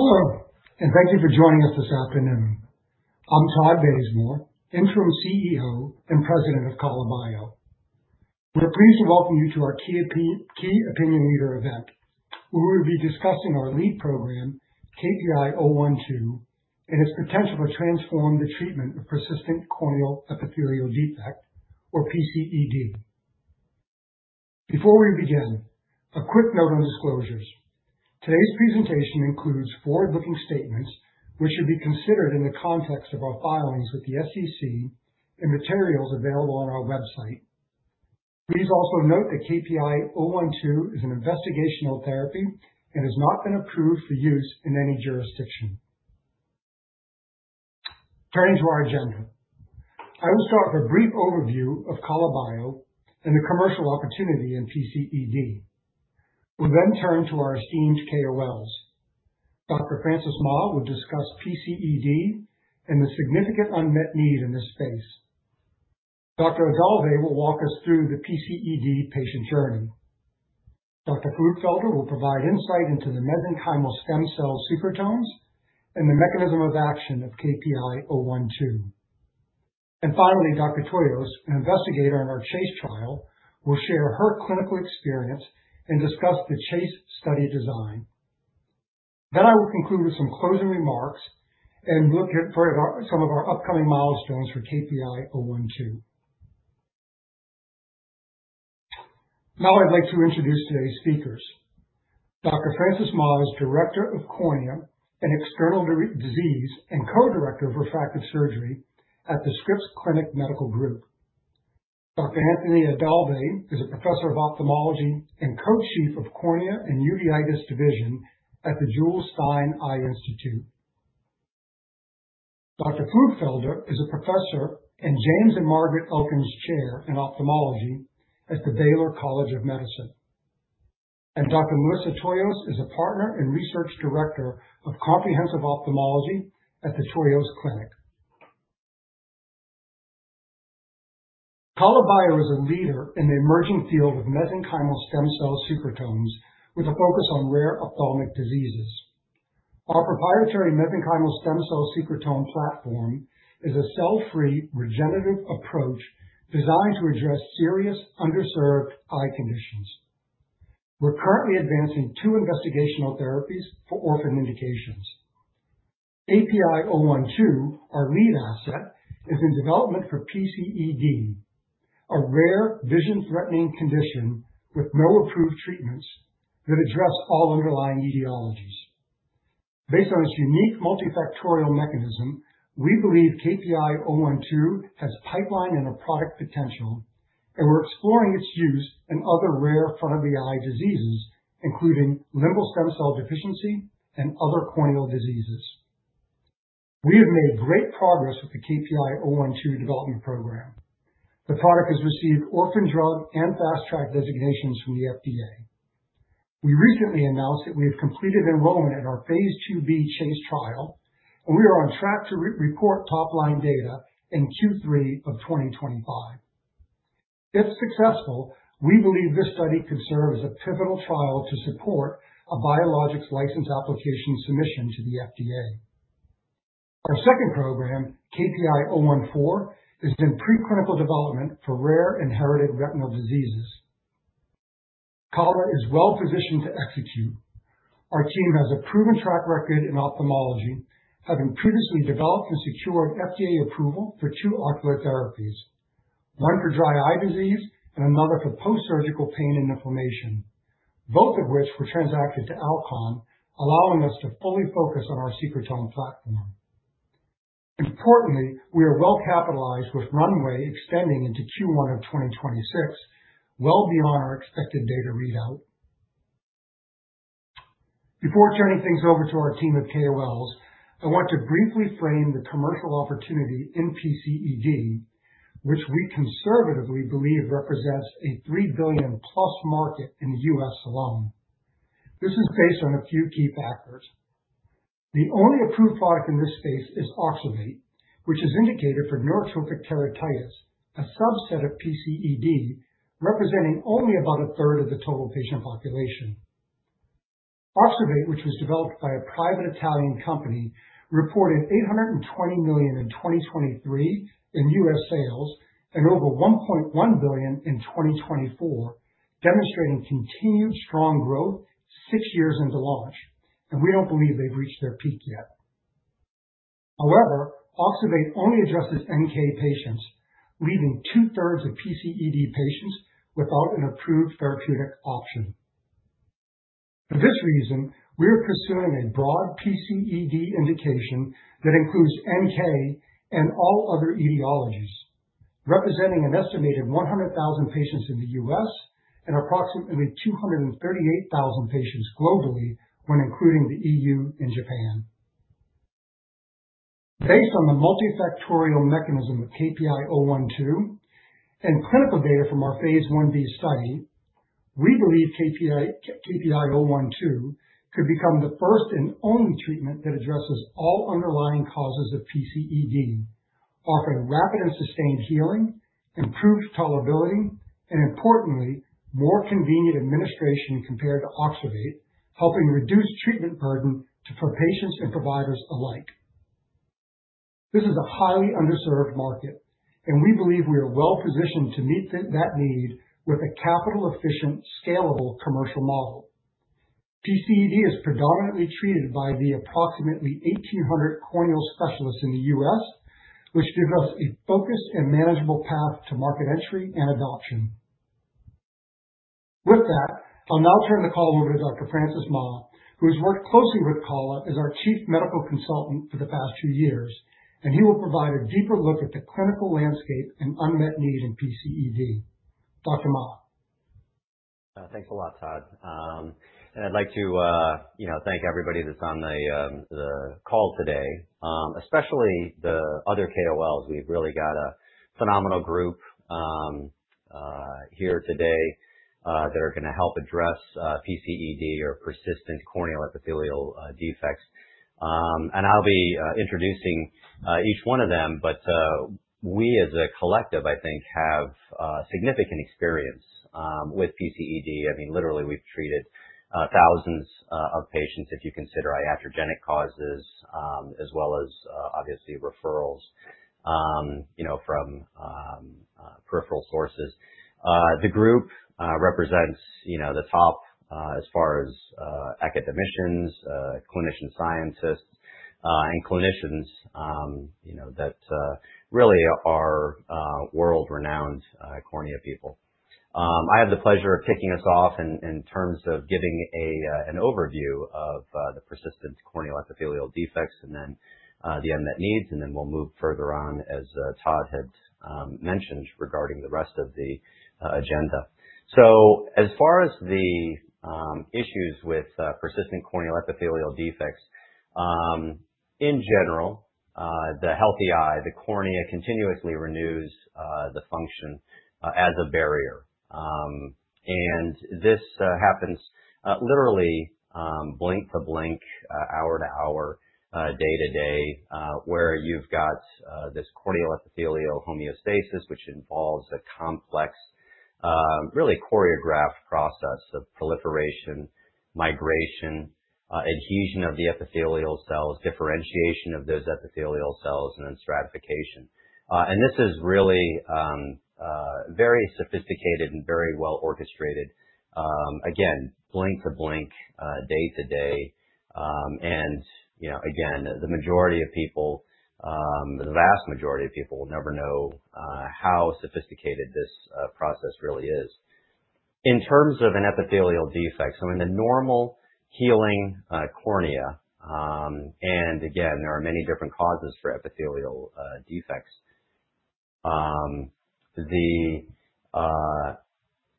Hello and thank you for joining us this afternoon. I'm Todd Bazemore, Interim CEO and President of KALA BIO. We are pleased to welcome you to our Key Opinion Leader event where we will be discussing our lead program KPI-012 and its potential to transform the treatment of persistent corneal epithelial defect or PCED. Before we begin, a quick note on disclosures. Today's presentation includes forward-looking statements which should be considered in the context of our filings with the SEC and materials available on our website. Please also note that KPI-012 is an investigational therapy and has not been approved for use in any jurisdiction. Turning to our agenda, I will start with a brief overview of KALA BIO and the commercial opportunity in PCED. We'll then turn to our esteemed KOLs. Dr. Francis Mah will discuss PCED and the significant unmet need in this space. Dr. Aldave will walk us through the PCED patient journey. Dr. Pflugfelder will provide insight into the mesenchymal stem cell secretome and the mechanism of action of KPI-012. Finally, Dr. Toyos, an investigator in our CHASE trial, will share her clinical experience and discuss the CHASE study design. I will conclude with some closing remarks and look further at some of our upcoming milestones for KPI-012. Now I'd like to introduce today's speakers. Dr. Francis Mah, Director of Cornea and External Disease and Co-Director of Refractive Surgery at the Scripps Clinic Medical Group. Dr. Anthony Aldave is a Professor of Ophthalmology and Co-Chief of Cornea and Uveitis Division at the Jules Stein Eye Institute. Dr. Pflugfelder is a Professor and James and Margaret Elkins Chair in Ophthalmology at the Baylor College of Medicine. Dr. Melissa Toyos is a Partner and Research Director of Comprehensive Ophthalmology at the Toyos Clinic. KALA BIO is a leader in the emerging field of mesenchymal stem cell secretome with a focus on rare ophthalmic diseases. Our proprietary mesenchymal stem cell secretome platform is a cell-free regenerative approach designed to address serious underserved eye conditions. We're currently advancing two investigational therapies for orphan indications. KPI-012, our lead asset, is in development for PCED, a rare vision-threatening condition with no approved treatments that address all underlying etiology. Based on its unique multifactorial mechanism. We believe KPI-012 has pipeline and product potential and we're exploring its use in other rare front-of-eye diseases including limbal stem cell deficiency and other corneal diseases. We have made great progress with the KPI-012 development program. The product has received Orphan Drug and Fast Track designations from the FDA. We recently announced that we have completed enrollment at our phase II-B CHASE trial and we are on track to report top-line data in Q3 of 2025. If successful, we believe this study could serve as a pivotal trial to support a Biologics License Application submission to the FDA. Our second program, KPI-014, is in preclinical development for rare inherited retinal diseases. KALA BIO is well positioned to execute. Our team has a proven track record in ophthalmology, having previously developed and secured FDA approval for two ocular therapies, one for dry eye disease and another for post-surgical pain and inflammation, both of which were transacted to Alcon, allowing us to fully focus on our secretome platform. Importantly, we are well capitalized with runway extending into Q1 of 2026, well beyond our expected data readout. Before turning things over to our team of KOLs, I want to briefly frame the commercial opportunity in PCED, which we conservatively believe represents a $3+ billion market in the U.S. alone. This is based on a few key factors. The only approved product in this space is OXERVATE, which is indicated for neurotrophic keratitis, a subset of PCED representing only about 1/3 of the total patient population. OXERVATE, which was developed by a private Italian company, reported $820 million in 2023 in U.S. sales and over $1.1 billion in 2024, demonstrating continued strong growth six years into launch and we don't believe they've reached their peak yet. However, OXERVATE only addresses NK patients, leaving 2/3 of PCED patients without an approved therapeutic option. For this reason, we are considering a broad PCED indication that includes NK and all other etiologies, representing an estimated 100,000 patients in the U.S. and approximately 238,000 patients globally when including the E.U. and Japan. Based on the multifactorial mechanism of KPI-012 and clinical data from our phase I-B study, we believe KPI-012 could become the first and only treatment that addresses all underlying causes of PCED, offering rapid and sustained healing, improved tolerability, and importantly, more convenient administration compared to OXERVATE, helping reduce treatment burden for patients and providers alike. This is a highly underserved market, and we believe we are well positioned to meet that need with a capital-efficient, scalable commercial model. PCED is predominantly treated by the approximately 1,800 corneal specialists in the U.S., which gives us a focused and manageable path to market entry and adoption. With that, I'll now turn the call over to Dr. Francis Mah, who has worked closely with KALA BIO as our Chief Medical Consultant for the past few years. He will provide a deeper look at the clinical landscape and unmet need in PCED. Dr. Mah. Thanks a lot, Todd. I'd like to thank everybody that's on the call today, especially the other KOLs. We've really got a phenomenal group here today that are going to help address PCED or persistent corneal epithelial defects. I'll be introducing each one of them. We as a collective, I think, have significant experience with PCED. I mean, literally, we've treated thousands of patients. If you consider iatrogenic causes, as well as referrals from peripheral sources, the group represents the top as far as academicians, clinician scientists, and clinicians that really are world-renowned cornea people. I have the pleasure of kicking us off in terms of giving an overview of the persistent corneal epithelial defects and the unmet needs, and then we'll move further on, as Todd had mentioned, regarding the rest of the agenda. As far as the issues with persistent corneal epithelial defects in general, the healthy eye, the cornea continuously renews the function as a barrier. This happens literally blink to blink, hour to hour, day to day, where you've got this corneal epithelial homeostasis, which involves a complex, really choreographed process of proliferation, migration, adhesion of the epithelial cells, differentiation of those epithelial cells, and then stratification. This is really very sophisticated and very well orchestrated, again, blink to blink, day to day. The majority of people, the vast majority of people, will never know how sophisticated this process really is in terms of an epithelial defect. In a normal healing cornea, there are many different causes for epithelial defects. The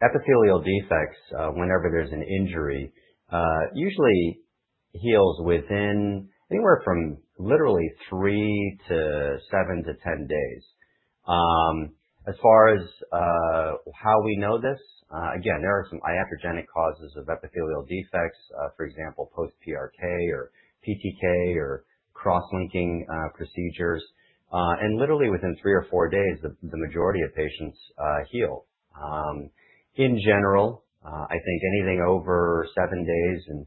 epithelial defects, whenever there's an injury, usually heal within anywhere from literally three to seven to 10 days. As far as how we know this, there are some iatrogenic causes of epithelial defects, for example, post PRK or PTK or cross-linking procedures, and literally within three or four days, the majority of patients heal. In general, I think anything over seven days and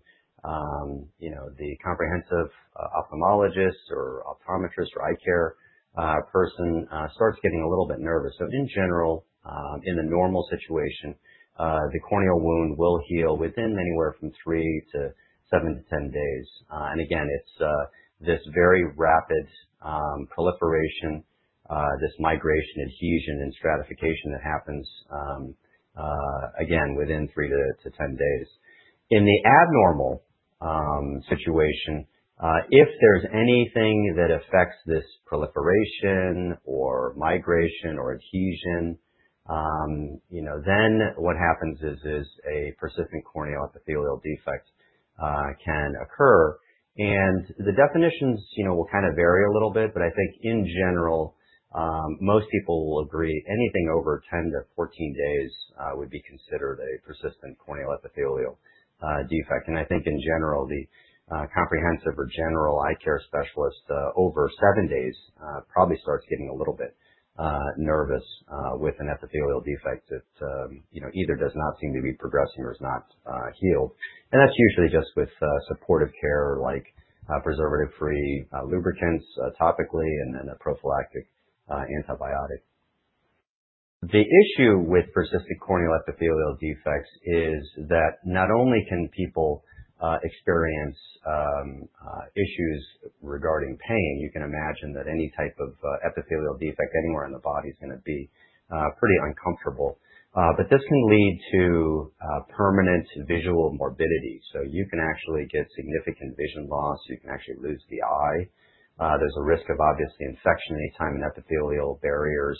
the comprehensive ophthalmologist or optometrist or eye care person starts getting a little bit nervous. In the normal situation, the corneal wound will heal within anywhere from three to seven to 10 days. It's this very rapid proliferation, this migration, adhesion, and stratification that happens again within three to 10 days. In the abnormal situation, if there's anything that affects this proliferation or migration or adhesion, then what happens is a persistent corneal epithelial defect can occur. The definitions will kind of vary a little bit, but I think in general, most people will agree anything over 10-14 days would be considered a persistent corneal epithelial defect. I think in general, the comprehensive or general eye care specialist over seven days probably starts getting a little bit nervous with an epithelial defect that either does not seem to be progressing or is not healed. That's usually just with supportive care like preservative-free lubricants topically and then a prophylactic antibiotic. The issue with persistent corneal epithelial defects is that not only can people experience issues regarding pain, you can imagine that any type of epithelial defect anywhere in the body is going to be pretty uncomfortable. This can lead to permanent visual morbidity. You can actually get significant vision loss. You can actually lose the eye. There's a risk of obviously infection anytime an epithelial barrier is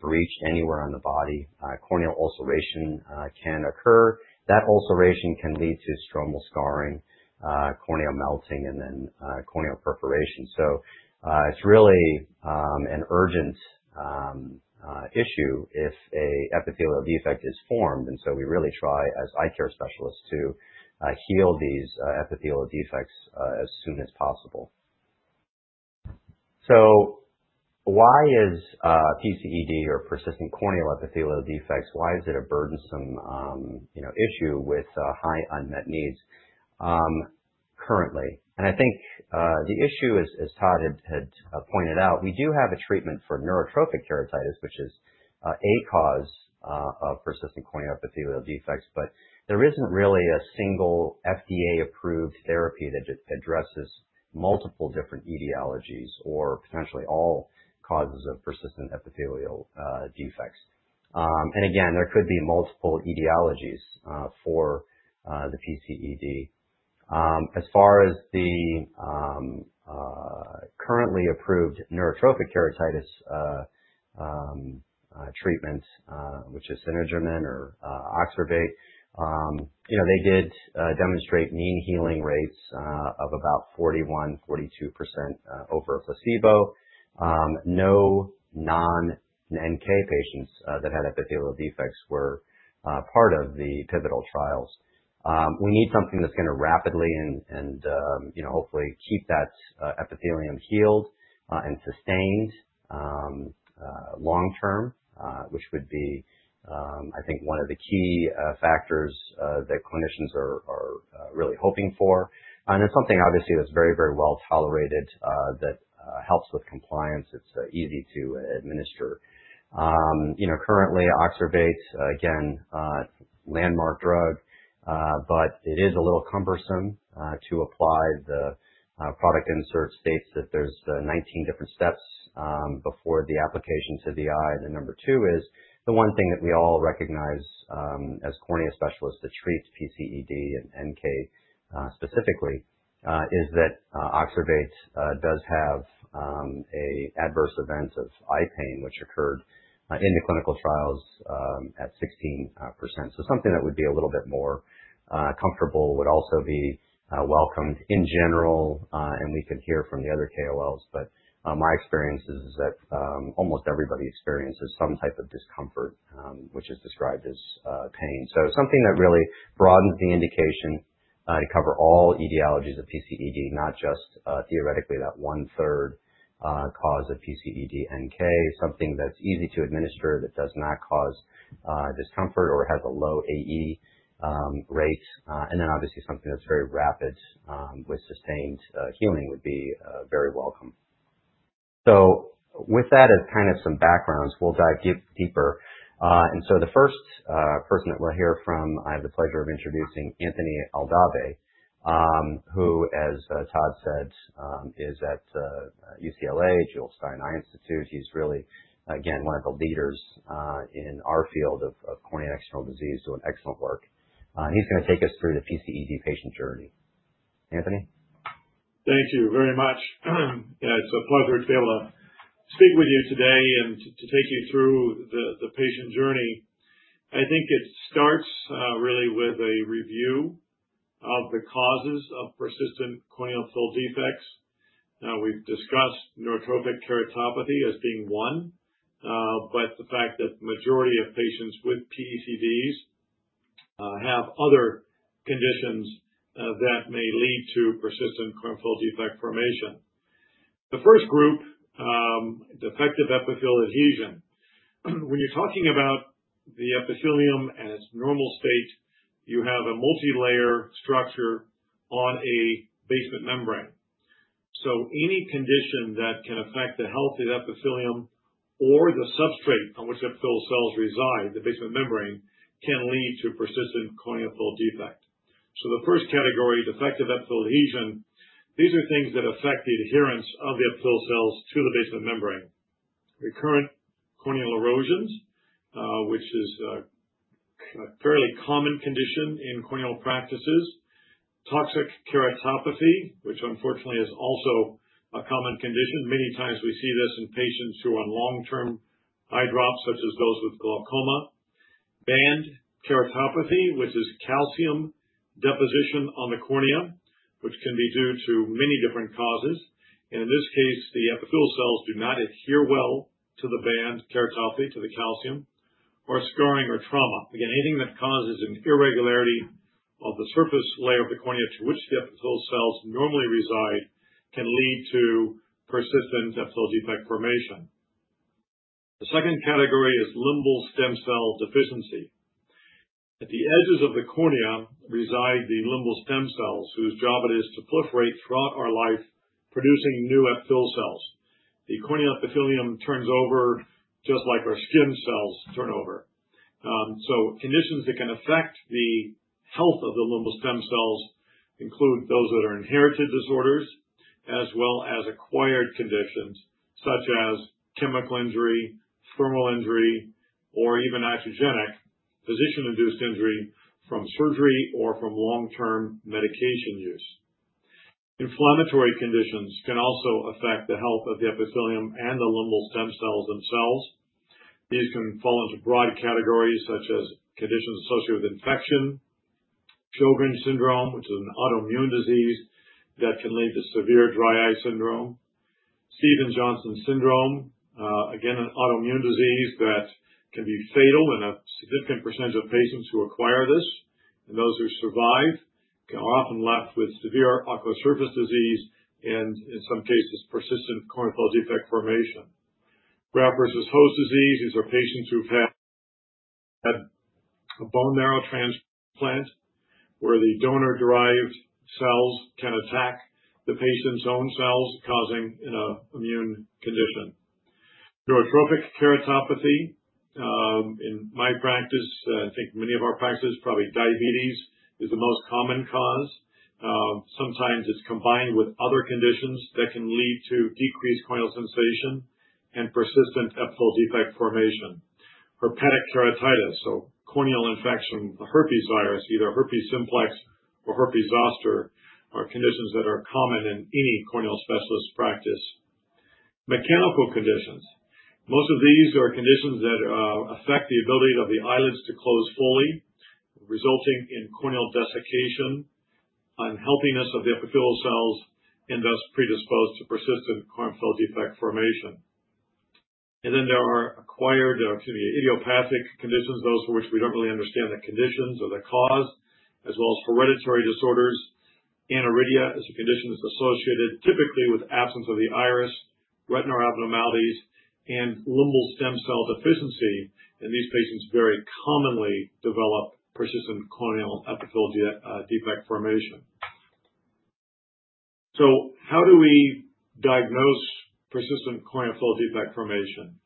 breached anywhere on the body. Corneal ulceration can occur. That ulceration can lead to stromal scarring, corneal melting, and then corneal perforation. It's really an urgent issue if an epithelial defect is formed. We really try as eye care specialists to heal these epithelial defects as soon as possible. Why is PCED, or persistent corneal epithelial defects, a burdensome issue with high unmet needs currently? I think the issue is, as Todd had pointed out, we do have a treatment for neurotrophic keratitis, which is a cause of persistent corneal epithelial defects. There isn't really a single FDA-approved therapy that addresses multiple different etiologies or potentially all causes of persistent epithelial defects. There could be multiple etiologies for the PCED. As far as the currently approved neurotrophic keratitis treatment, which is cenegermin-bkbj or OXERVATE, they did demonstrate mean healing rates of about 41%-42% over a placebo. No non-NK patients that had epithelial defects were part of the pivotal trials. We need something that's going to rapidly and hopefully keep that epithelium healed and sustained long term, which would be, I think, one of the key factors that clinicians are really hoping for. It's something obviously that's very, very well tolerated, that helps with compliance. It's easy to administer. You know, currently OXERVATE, again, landmark drug, but it is a little cumbersome to apply. The product insert states that there's 19 different steps before the application to the eye. Number two is the one thing that we all recognize as cornea specialists that treats PCED and NK specifically is that OXERVATE does have adverse events of eye pain, which occurred in the clinical trials at 16%. Something that would be a little bit more comfortable would also be welcomed in general. We could hear from the other KOLs, but my experience is that almost everybody experiences some type of discomfort, which is described as pain. Something that really broadens the indication to cover all etiologies of PCED, not just theoretically that 1/3 cause of PCED, NK, something that's easy to administer, that does not cause discomfort or has a low adverse event rate. Obviously, something that's very rapid with sustained healing would be very welcome. With that as kind of some background, we'll dive deep, deep, deeper. The first person that we'll hear from, I have the pleasure of introducing Anthony Aldave, who, as Todd said, is at UCLA Jules Stein Eye Institute. He's really again one of the leaders in our field of cornea external disease, doing excellent work. He's going to take us through the PCED patient journey. Anthony. Thank you very much. It's a pleasure to speak with you today and to take you through the patient journey. I think it starts really with a review of the causes of persistent corneal epithelial defects. Now, we've discussed neurotrophic keratopathy as being one, but the fact that the majority of patients with PCEDs have other conditions that may lead to persistent corneal epithelial defect formation. The first group, defective epithelial adhesion, when you're talking about the epithelium as normal state, you have a multilayer structure on a basement membrane. Any condition that can affect the health of the epithelium or the substrate on which epithelial cells reside, the basement membrane, can lead to persistent corneal epithelial defects. The first category, defective epithelial adhesion. These are things that affect the adherence of the epithelial cells to the basement membrane. Recurrent corneal erosions, which is a fairly common condition in corneal practices, toxic keratopathy, which unfortunately is also a common condition. Many times we see this in patients who are on long-term eye drops such as those with glaucoma. Band keratopathy, which is calcium deposition on the cornea, can be due to many different causes. In this case, the epithelial cells do not adhere well to the band keratopathy, to the calcium, or scarring or trauma. Anything that causes an irregularity of the surface layer of the cornea to which the epithelial cells normally reside can lead to persistent epithelial defect formation. The second category is limbal stem cell deficiency. At the edges of the cornea reside the limbal stem cells whose job it is to proliferate throughout our life, producing new epithelial cells. The corneal epithelium turns over just like our stem cells turnover. Conditions that can affect the health of the limbal stem cells include those that are inherited disorders as well as acquired conditions such as chemical injury, thermal injury, or even iatrogenic physician-induced injury from surgery or from long-term medication use. Inflammatory conditions can also affect the health of the epithelium and the limbal stem cells themselves. These can fall into broad categories such as conditions associated with infection. Sjögrens syndrome, which is an autoimmune disease that can lead to severe dry eye syndrome. Stevens-Johnson syndrome, again an autoimmune disease that can be fatal in a significant percent of patients who acquire this, and those who survive are often left with severe ocular surface disease and in some cases persistent corneal epithelial defect formation. Graft versus host disease. These are patients who've had a bone marrow transplant where the donor-derived cells can attack the patient's own cells, causing an immune condition. Neurotrophic keratopathy. In my practice, I think many of our practices, probably diabetes is the most common cause. Sometimes it's combined with other conditions that can lead to decreased corneal sensation and persistent epithelial defect formation. Herpetic keratitis, so corneal infection, herpes virus, either herpes simplex or herpes zoster, are conditions that are common in any corneal specialist practice. Mechanical conditions. Most of these are conditions that affect the ability of the eyelids to close fully, resulting in corneal desiccation, unhealthiness of the epithelial cells, and thus predispose to persistent stem cell defect formation. There are acquired, excuse me, idiopathic conditions, those for which we don't really understand the conditions or the cause, as well as hereditary disorders. Aniridia is a condition that's associated typically with absence of the iris, retinal abnormalities, and limbal stem cell deficiency. These patients very commonly develop persistent corneal epithelial defect formation. How do we diagnose persistent corneal epithelial defect formation?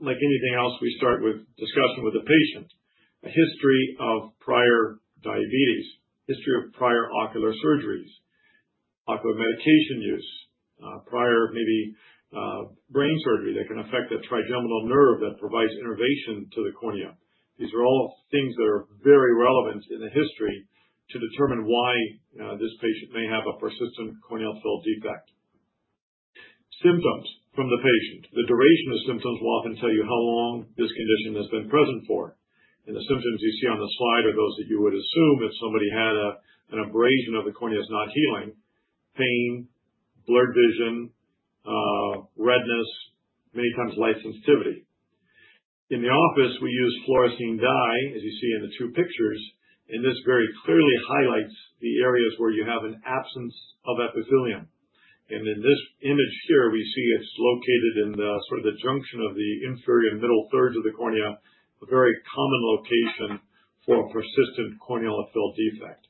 Like anything else, we start with discussion with the patient. A history of prior diabetes, history of prior ocular surgeries, ocular medication use, prior, maybe brain surgery that can affect the trigeminal nerve that provides innervation to the cornea. These are all things that are very relevant in the history to determine why this patient may have a persistent corneal epithelial defect. Symptoms from the patient. The duration of symptoms will often tell you how long this condition has been present for. The symptoms you see on the slide are those that you would assume if somebody had an abrasion of the cornea that's not healing: pain, blurred vision, redness, many times light sensitivity. In the office, we use fluorescein dye, as you see in the two pictures. This very clearly highlights the areas where you have an absence of epithelium. In this image here, we see it's located in sort of the junction of the inferior and middle thirds of the cornea, a very common location for persistent corneal epithelial defect.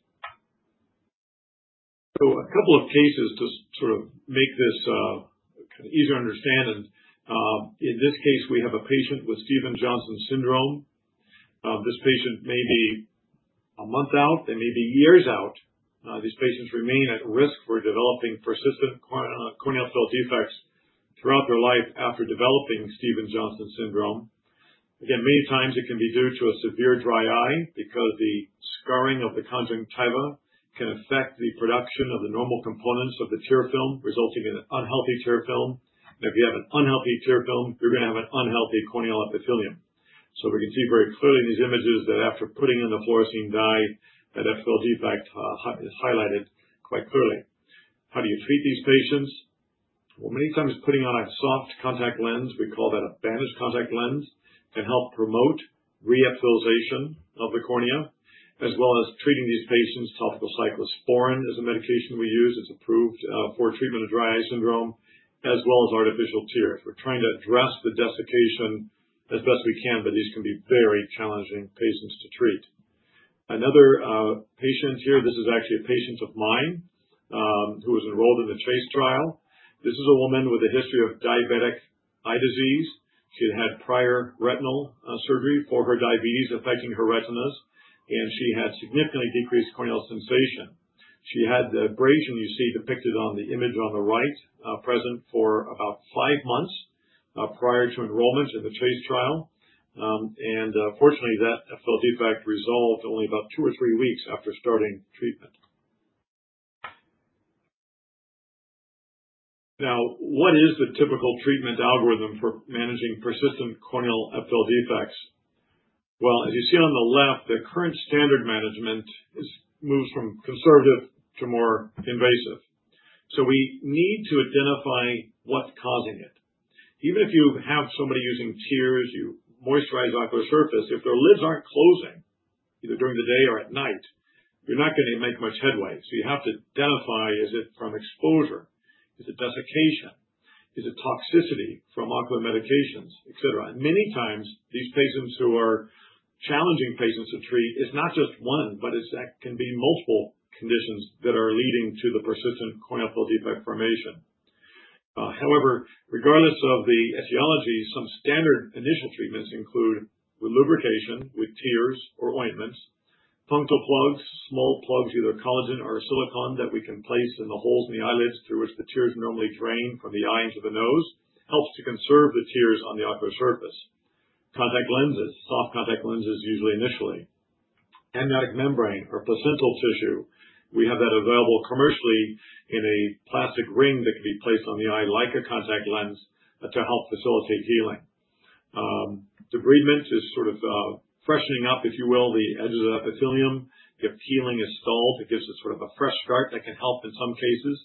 A couple of cases to sort of make this easier to understand. In this case, we have a patient with Stevens-Johnson syndrome. This patient may be a month out, they may be years out. These patients remain at risk for developing persistent corneal epithelial defects throughout their life after developing Stevens-Johnson syndrome. Many times it can be due to a severe dry eye because the growing of the conjunctiva can affect the production of the normal components of the tear film, resulting in an unhealthy tear film. If you have an unhealthy tear film, you're going to have an unhealthy corneal epithelium. We can see very clearly in these images that after putting in the fluorescein dye, that epithelial defect is highlighted quite clearly. How do you treat these patients? Many times putting on a soft contact lens, we call that a bandage contact lens, can help promote re-epithelialization of the cornea as well as treating these patients. Topical cyclosporine is a medication we use. It's approved for treatment of dry eye syndrome as well as artificial tears. We're trying to address the desiccation as best we can, but these can be very challenging patients to treat. Another patient here, this is actually a patient of mine who was enrolled in the CHASE trial. This is a woman with a history of diabetic disease. She had prior retinal surgery for her diabetes affecting her retinas, and she had significantly decreased corneal sensation. She had the abrasion you see depicted on the image on the right present for about five months prior to enrollment at the CHASE trial. Fortunately, that epithelial defect resolved only about two or three weeks after starting treatment. What is the typical treatment algorithm for managing persistent corneal epithelial defects? If you see on the left, the current standard management moves from conservative to more invasive. We need to identify what's causing it. Even if you have somebody using tears, you moisturize ocular surface. If their lids aren't closing either during the day or at night, you're not going to make much headway. You have to identify is it from exposure, is it desiccation, is it toxicity from ocular medications, et cetera. Many times these patients who are challenging patients to treat, it's not just one, but it can be multiple conditions that are leading to the persistent corneal epithelial defect formation. However, regardless of the etiology, some standard initial treatments include lubrication with tears or ointments, tarsal plugs, small plugs, either collagen or silicone that we can place in the holes in the eyelids through which the tears normally drain from the eye into the nose, which helps to conserve the tears on the ocular surface. Contact lenses, soft contact lenses, usually initially, amniotic membrane or placental tissue, we have that available commercially in a plastic ring that can be placed on the eye like a contact lens to help facilitate healing. Debridement is sort of freshening up, if you will, the edges of epithelium if healing is dulled, it gives us sort of a fresh start that can help. In some cases,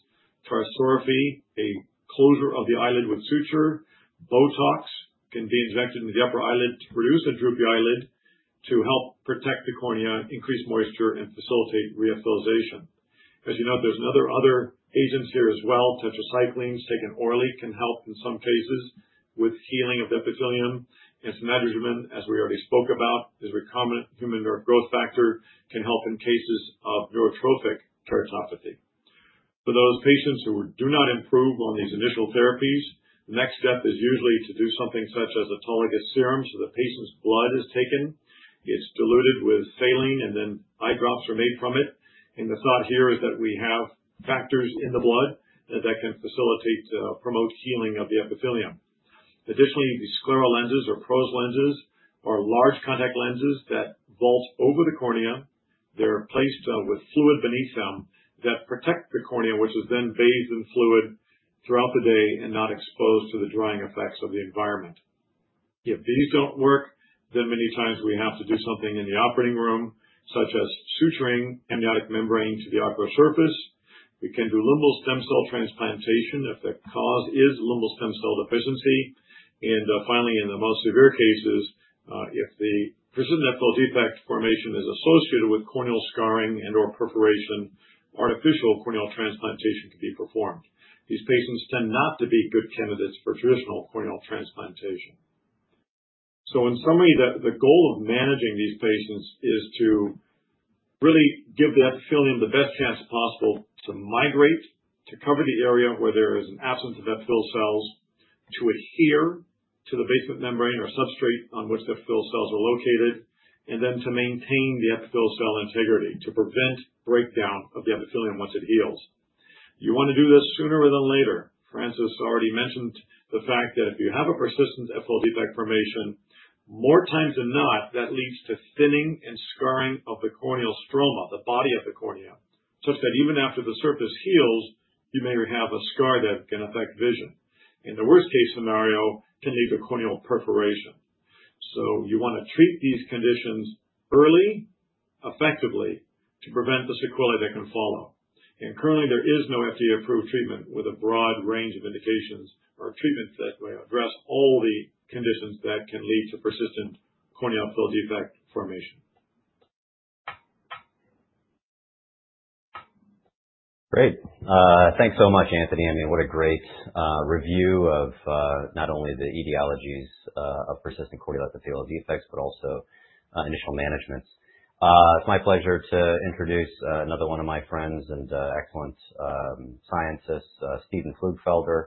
tarsorrhaphy, a closure of the eyelid with suture, Botox can be injected in the upper eyelid to produce a droopy eyelid to help protect the cornea, increase moisture, and facilitate re-epithelialization. As you know, there are other patients here as well. Tetracyclines taken orally can help in some cases with healing of the epithelium, and some, as we already spoke about, the recombinant human nerve growth factor can help in cases of neurotrophic keratopathy. For those patients who do not improve on these initial therapies, the next step is usually to do something such as autologous serum. The patient's blood is taken, it's diluted with saline, and then eye drops are made from it. The thought here is that we have factors in the blood that can facilitate and promote healing of the epithelium. Additionally, the scleral lenses or PROSE lenses are large contact lenses that vault over the cornea. They're placed with fluid beneath them that protect the cornea, which is then bathed in fluid throughout the day and not exposed to the drying effects of the environment. If these don't work, then many times we have to do something in the operating room such as suturing amniotic membrane to the outer surface. We can do limbal stem cell transplantation if the cause is limbal stem cell deficiency. Finally, in the most severe cases, if the persistent epithelial defect formation is associated with corneal scarring and/or perforation, artificial corneal transplantation can be performed. These patients tend not to be good candidates for traditional corneal transplantation. In summary, the goal of managing these patients is to really give the epithelium the best chance possible to migrate to cover the area where there is an absence of epithelial cells to adhere to the basement membrane or substrate on which the epithelial cells are located, and then to maintain the epithelial cell integrity to prevent breakdown of the epithelium once it heals. You want to do this sooner rather than later. Francis already mentioned the fact that if you have a persistent corneal epithelial defect formation, more times than not that leads to thinning and scarring of the corneal stromal, the body of the cornea, such that even after the surface heals, you may have a scar that can affect vision. In the worst case scenario, it can lead to corneal perforation. You want to treat these conditions early and effectively to prevent the sequelae that can follow. Currently, there is no FDA-approved treatment with a broad range of indications or treatments that address all the conditions that can lead to persistent corneal epithelial defect formation. Great, thanks so much, Anthony. I mean, what a great review of not only the etiologies of persistent corneal epithelial defects, but also initial management. My pleasure to introduce another one of my friends and excellent scientists, Stephen Pflugfelder.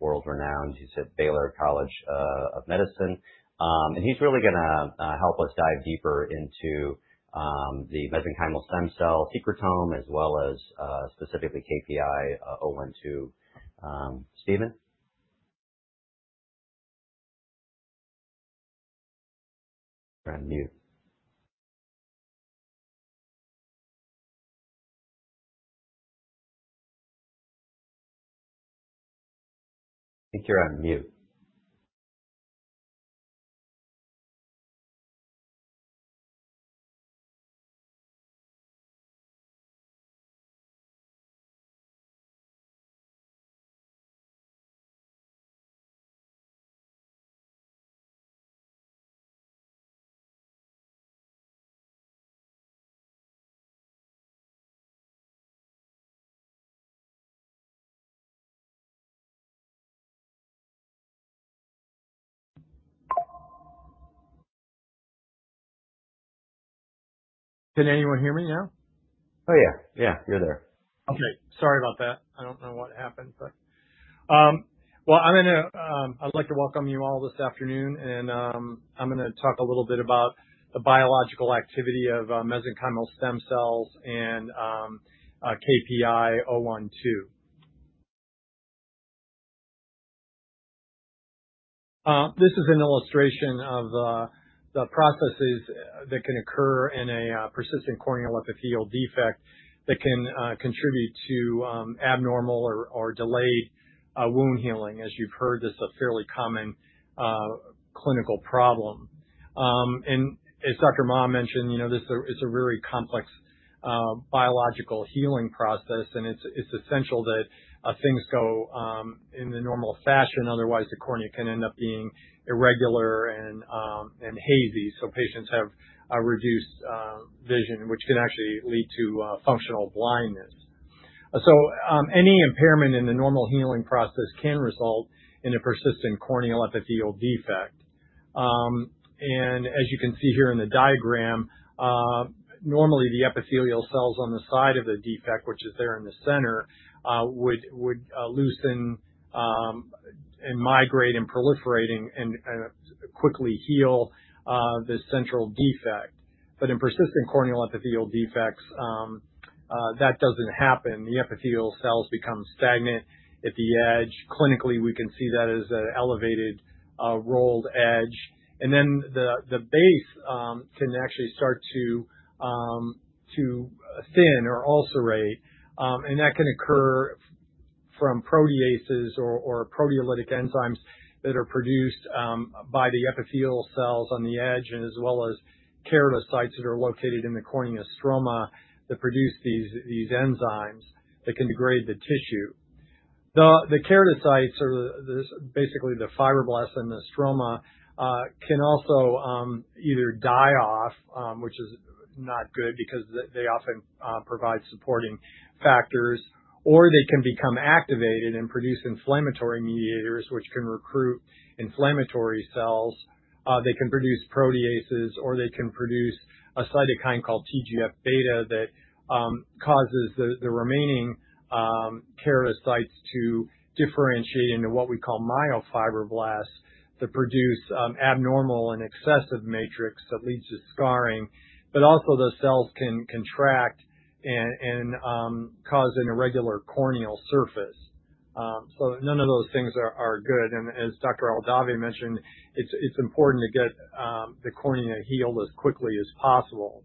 World renowned, you said. Baylor College of Medicine. He's really going to help us dive deeper into the mesenchymal stem cell secretome as well as specifically KPI-012. Stephen. Brand new. Make your unmute. Can anyone hear me now? Oh yeah, you're there. Okay. Sorry about that. I don't know what happened. I would like to welcome you all this afternoon, and I'm going to talk a little bit about the biological activity of mesenchymal stem cells and KPI-012. This is an illustration of the processes that can occur in a persistent corneal epithelial defect that can contribute to abnormal or delayed wound healing. As you've heard, this is a fairly common clinical problem. As Dr. Mah mentioned, it's a very complex biological healing process, and it's essential that things go in the normal fashion. Otherwise, the cornea can end up being irregular and hazy, so patients have reduced vision, which can actually lead to functional blindness. Any impairment in the normal healing process can result in a persistent corneal epithelial defect. As you can see here in the diagram, normally the epithelial cells on the side of the defect, which is there in the center, would loosen and migrate and proliferate, quickly healing the central defect. In persistent corneal epithelial defects, that doesn't happen. The epithelial cells become stagnant at the edge. Clinically, we can see that as an elevated rolled edge, and then the base can actually start to thin or ulcerate, and that can occur from proteases or proteolytic enzymes that are produced by the epithelial cells on the edge, as well as keratocytes that are located in the cornea stromal that produce these enzymes that can degrade the tissue. The keratocytes are basically the fibroblasts. The stromal can also either die off, which is not good because they often provide supporting factors, or they can become activated and produce inflammatory mediators, which can recruit inflammatory cells. They can produce proteases, or they can produce a cytokine called [TGF] beta that causes the remaining keratocytes to differentiate into what we call myofibroblasts to produce abnormal and excessive matrix that leads to scarring. The cells can also contract and cause an irregular corneal surface. None of those things are good. As Dr. Aldave mentioned, it's important to get the cornea healed as quickly as possible.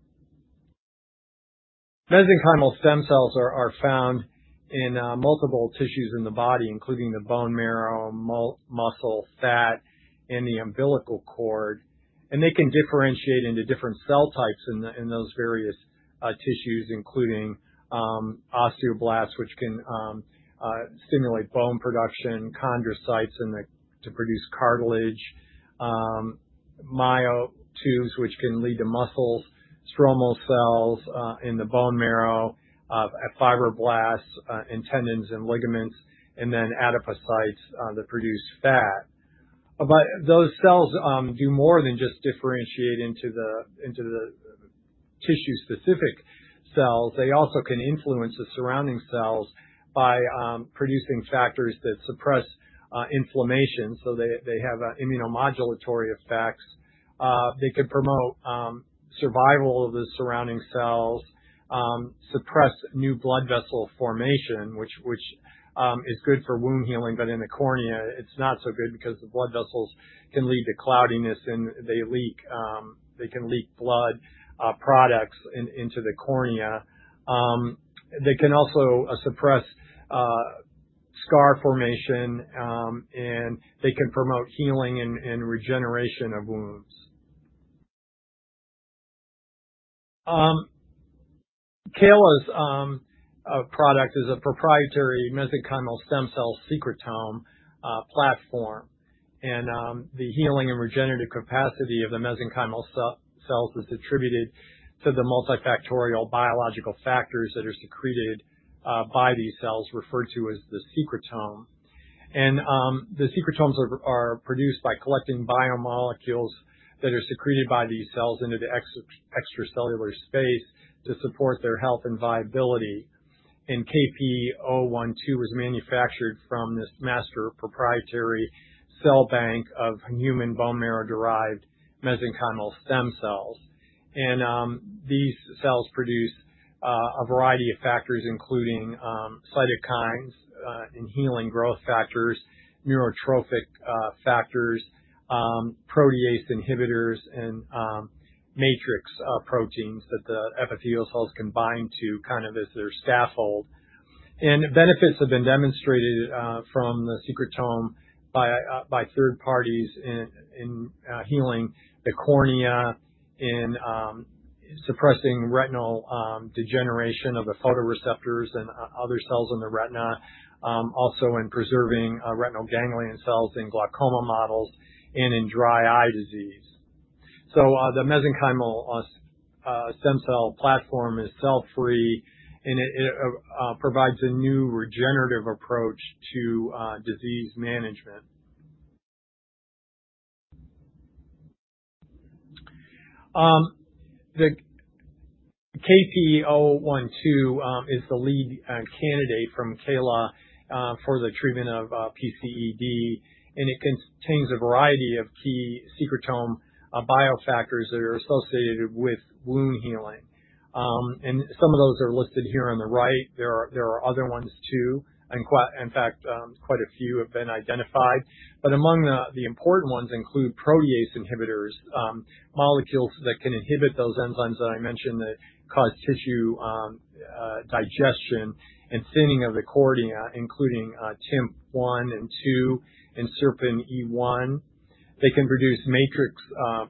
Mesenchymal stem cells are found in multiple tissues in the body, including the bone marrow, muscle, fat, and the umbilical cord. They can differentiate into different cell types in those various tissues, including osteoblasts, which can stimulate bone production, chondrocytes to produce cartilage, myotubes, which can lead to muscle, stromal cells in the bone marrow, fibroblasts in tendons and ligaments, and then adipocytes that produce fat, but those cells do more than just differentiate into the tissue-specific cells. They also can influence the surrounding cells by producing factors that suppress inflammation, so they have immunomodulatory effects. They can promote survival of the surrounding cell, suppress new blood vessel formation, which is good for wound healing. In the cornea it's not so good because the blood vessels can lead to cloudiness and they leak. They can leak blood products into the cornea, they can also suppress scar formation, and they can promote healing and regeneration of wounds. KALA BIO's product is a proprietary mesenchymal stem cell secretome platform. The healing and regenerative capacity of the mesenchymal cells is attributed to the multifactorial biological factors that are secreted by these cells, referred to as the secretome. The secretomes are produced by collecting biomolecules that are secreted by these cells into the extracellular space to support their health and viability. KPI-012 was manufactured from this master proprietary cell bank of human bone marrow-derived mesenchymal stem cells. These cells produce a variety of factors including cytokines and healing growth factors, neurotrophic factors, protease inhibitors, and matrix proteins that the epithelial cells can bind to kind of as their scaffold. Benefits have been demonstrated from the secretome by third parties in healing the cornea, in suppressing retinal degeneration of the photoreceptors and other cells in the retina, also in preserving retinal ganglion cells in glaucoma models and in dry eye disease. The mesenchymal stem cell secretome platform is cell free and it provides a new regenerative approach to disease management. KPI-012 is the lead candidate from KALA BIO for the treatment of and it contains a variety of key secretome biofactors that are associated with wound healing. Some of those are listed here on the right. There are other ones too. In fact, quite a few have been identified. Among the important ones include protease inhibitors, molecules that can inhibit those enzymes that I mentioned that cause tissue digestion and thinning of the cornea, including TIMP-1 and TIMP-2 and Serpin E1. They can produce matrix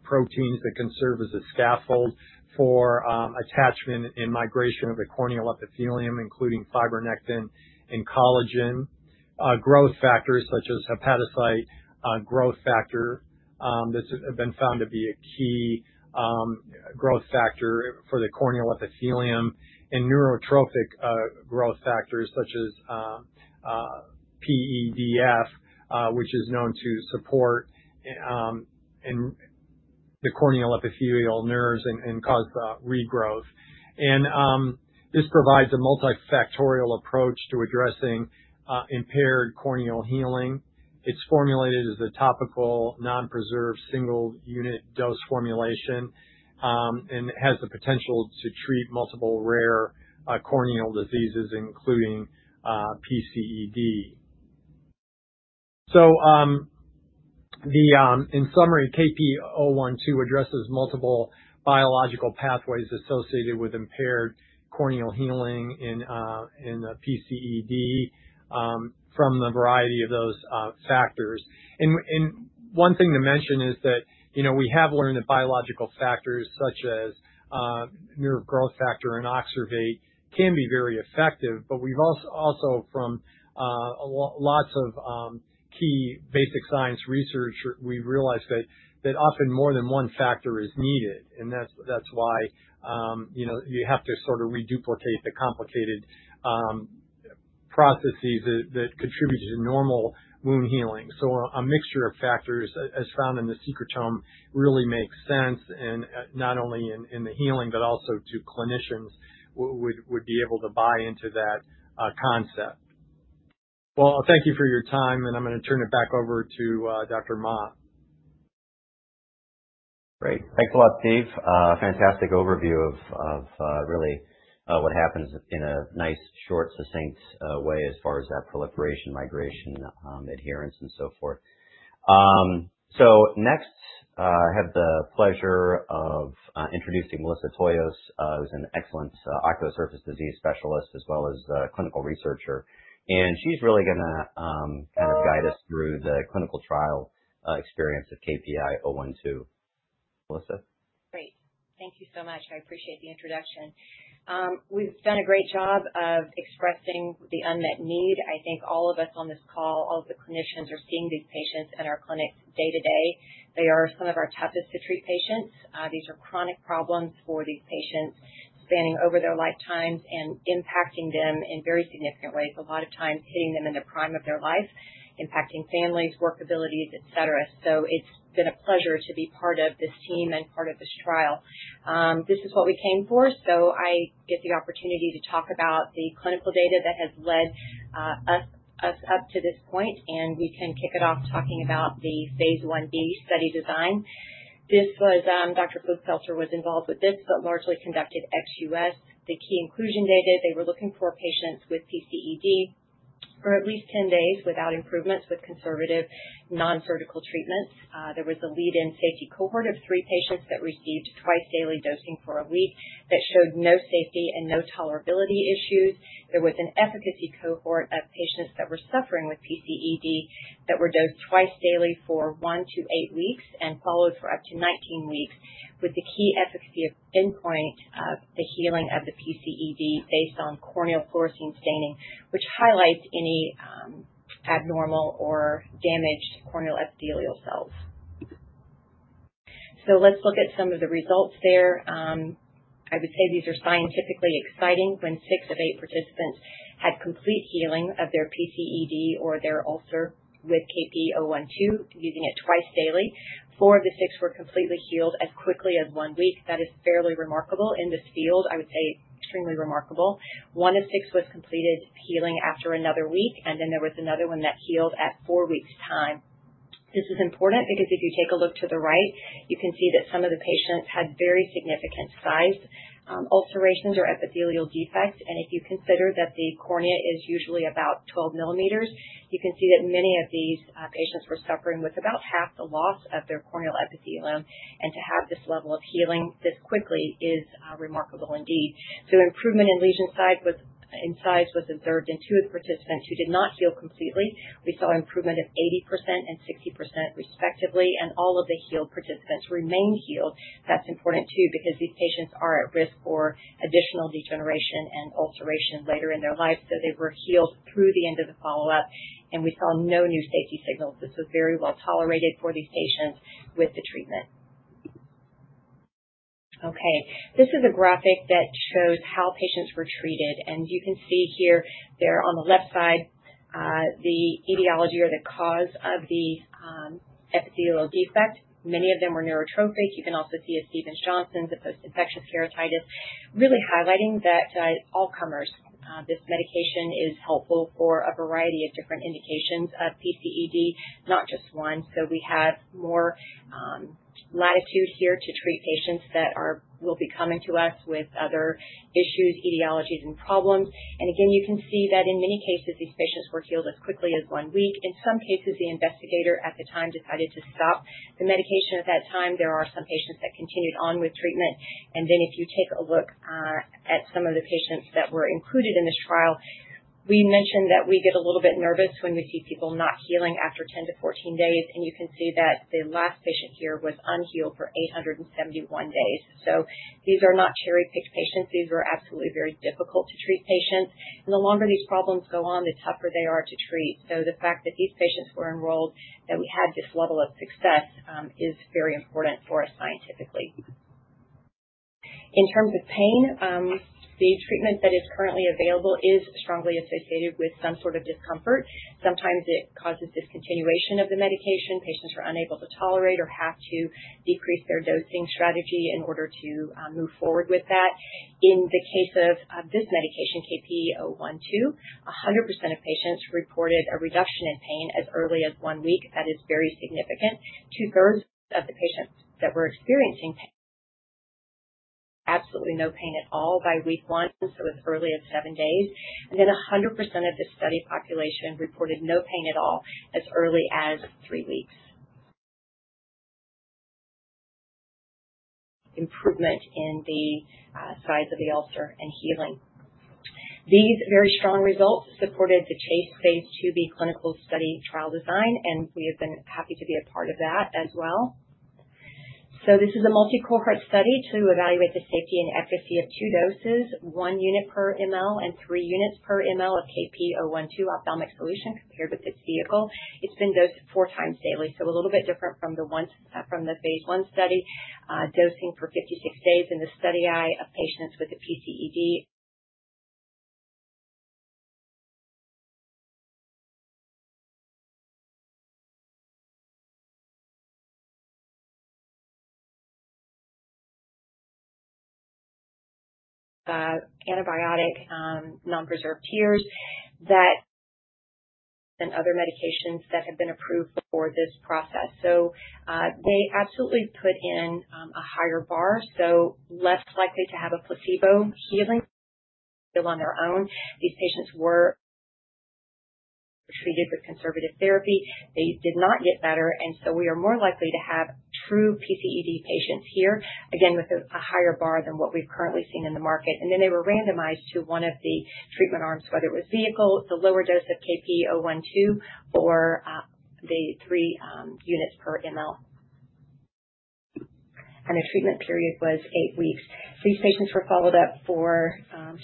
proteins that can serve as a scaffold for attachment and migration of the corneal epithelium, including fibronectin and collagen, growth factors such as hepatocyte growth factor that's been found to be a key growth factor for the corneal epithelium, and neurotrophic growth factors such as PEDF, which is known to support the corneal epithelial nerves and cause regrowth. This provides a multifactorial mechanism of action to addressing impaired corneal healing. It's formulated as the topical non-preserved single unit dose formulation and has the potential to treat multiple rare corneal diseases including PCED. So. In summary, KPI-012 addresses multiple biological pathways associated with impaired corneal healing in PCED from the variety of those factors. One thing to mention is that we have learned that biological factors such as nerve growth factor and OXERVATE can be very effective. We've also, from lots of key basic science research, realized that often more than one factor is needed and that's why you have to sort of reduplicate the complicated processes that contribute to normal wound healing. A mixture of factors as found in the secretome really makes sense, not only in the healing but also to clinicians who would be able to buy into that concept. Thank you for your time and I'm going to turn it back over to Dr. Mah. Great, thanks a lot, Steve. Fantastic overview of really what happens in a nice, short, succinct way as far as that proliferation, migration, adherence, and so forth. Next, I have the pleasure of introducing Melissa Toyos, who's an excellent ocular disease specialist as well as clinical researcher, and she's really going to kind of guide us through the clinical trial experience of KPI-012. Melissa. Great. Thank you so much. I appreciate the introduction. We've done a great job of expressing the unmet need. I think all of us on this call, all of the clinical are seeing these patients at our clinic day to day. They are some of our toughest to treat patients. These are chronic problems for these patients spanning over their lifetimes and impacting them in very significant ways. A lot of times hitting them in the prime of their life, impacting families, work abilities, et cetera. It's been a pleasure to be part of this team and part of this trial. This is what we came for. I get the opportunity to talk about the clinical data that has led us up to this point and we can kick it off talking about the phase I-B study design. This was Dr. Pflugfelder was involved with, but largely conducted ex U.S. The key inclusion data, they were looking for patients with PCED for at least 10 days without improvements with conservative non-vertical treatments. There was a lead-in safety cohort of three patients that received twice daily dosing for a week. That showed no safety and no tolerability issues. There was an efficacy cohort of patients that were suffering with PCED that were dosed twice daily for one to eight weeks and followed for up to 19 weeks, with the key efficacy endpoint, the healing of the PCED based on corneal fluorescein staining, which highlights any abnormal or damaged corneal epithelial cells. Let's look at some of the results there. I would say these are scientifically exciting. When six of eight participants had complete healing of their PCED or their ulcer with KPI-012 using it twice daily, four of the six were completely healed as quickly as one week. That is fairly remarkable in this field, I would say. Extremely remarkable. One of six was complete healing after another week and then there was another one that healed at four weeks' time. This is important because if you take a look to the right, you can see that some of the patients had very significant size ulcerations or epithelial defects. If you consider that the cornea is usually about 12 mm, you can see that many of these patients were suffering with about half the loss of their corneal epithelium. To have this level of healing this quickly is remarkable indeed. Improvement in lesion size was observed in two participants who did not heal completely. We saw improvement of 80% and 60% respectively. All of the healed participants remained healed. That's important too because these patients are at risk for additional degeneration and ulceration later in their life. They were healed through the end of the follow-up and we saw no new safety signals. This was very well tolerated for these patients with the treatment. This is a graphic that shows how patients were treated. You can see here, there on the left side, the etiology or the cause of the epithelial defect. Many of them were neurotrophic. You can also see a Stevens-Johnson, post-infectious keratitis. This really highlights that all comers, this medication is helpful for a variety of different indications of PCED, not just one. We have more latitude here to treat patients that will be coming to us with other issues, etiologies, and problems. You can see that in many cases these patients were healed as quickly as one week. In some cases, the investigator at the time decided to stop the medication at that time. There are some patients that continued on with treatment. If you take a look at some of the patients that were included in this trial, we mentioned that we get a little bit nervous when we see people not healing after 10-14 days. You can see that the last patient here was unhealed for 871 days. These are not cherry-picked patients. These are absolutely very difficult to treat patients and the longer these problems go on, the tougher they are to treat. The fact that these patients were enrolled, that we had this level of success, is very important for us scientifically. In terms of pain, the treatment that is currently available is strongly associated with some sort of discomfort. Sometimes it causes discontinuation of the medication. Patients are unable to tolerate or have to decrease their dosing strategy in order to move forward with that. In the case of this medication, KPI-012, 100% of patients reported a reduction in pain as early as one week. That is very significant. Two-thirds of the patients were experiencing absolutely no pain at all by week one, so as early as seven days, and then 100% of the study population reported no pain at all as early as three weeks. Improvement in the size of the ulcer and healing, these very strong results supported the phase II-B clinical study trial design and we have been happy to be a part of that as well. This is a multi-cohort study to evaluate the safety and efficacy of two doses, one unit per milliliter and three units per milliliter of KPI-012 ophthalmic solution compared with its vehicle. It's been dosed four times daily, a little bit different from the ones from the phase I-B study. Dosing for 56 days in the study eye of patients with a PCED, the antibiotic, non-preserved tears, that and other medications that have been approved for this process. They absolutely put in a higher bar, so less likely to have a placebo healing on their own. These patients were treated with conservative therapy. They did not get better, so we are more likely to have true PCED patients here again with a higher bar than what we've currently seen in the market. They were randomized to one of the treatment arms, whether it was vehicle, the lower dose of KPI-012, or the three units per milliliter. The treatment period was eight weeks. These patients were followed up for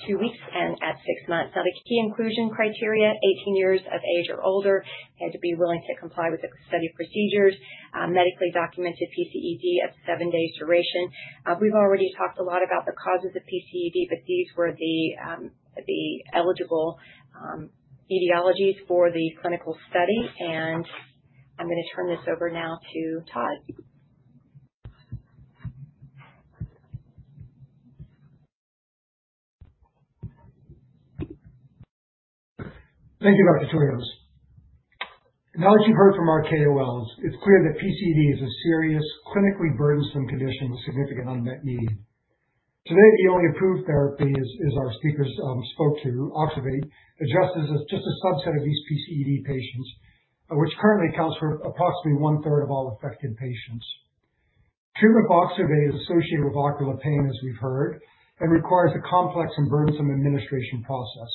two weeks and at six months. The key inclusion criteria: 18 years of age or older, had to be willing to comply with the study procedures, medically documented PCED of seven days duration. We've already talked a lot about the causes of PCED, but these were the eligible etiologies for the clinical study. I'm going to turn this over now to Todd. Thank you, Dr. Toyos. Now, as you heard from our KOLs, it's clear that PCED is a serious, clinically burdensome condition with significant unmet need. Today, the only approved therapy is OXERVATE, which is just a subset of these PCED patients, which currently accounts for approximately 1/3 of all affected patients. Treatment with OXERVATE is associated with ocular pain as we've heard and requires a complex and burdensome administration process.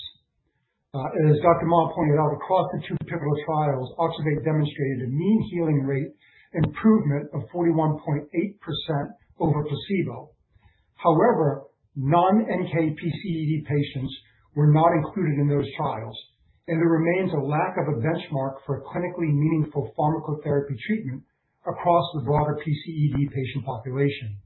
As Dr. Mah pointed out, across the two pivotal trials, OXERVATE demonstrated a mean healing rate improvement of 41.8% over placebo. However, non-NK PCED patients were not included in those trials and there remains a lack of a benchmark for clinically meaningful pharmacotherapy treatment across the broader PCED patient population.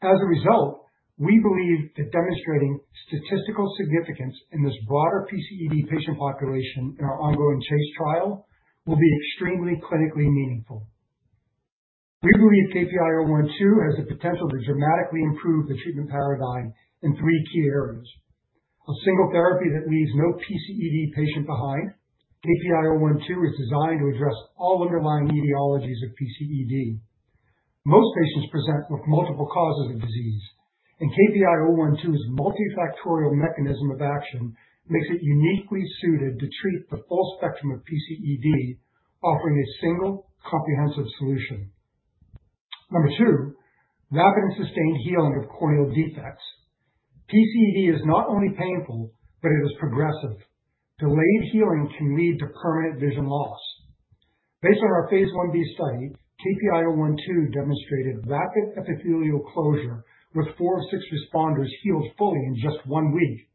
As a result, we believe that demonstrating statistical significance in this broader PCED patient population in our ongoing CHASE trial will be extremely clinically meaningful. We believe KPI-012 has the potential to dramatically improve the treatment paradigm in three key areas. A single therapy that leaves no PCED patient behind. KPI-012 is designed to address all underlying etiologies of PCED. Most patients present with multiple causes of disease and KPI-012's multifactorial mechanism of action makes it uniquely suited to treat the full spectrum of PCED, offering a single comprehensive solution. Number two, rapid and sustained healing of corneal defects. PCED is not only painful but it is progressive. Delayed healing can lead to permanent vision loss. Based on our phase I-B study, KPI-012 demonstrated rapid epithelial closure with four of six responders healed fully in just one week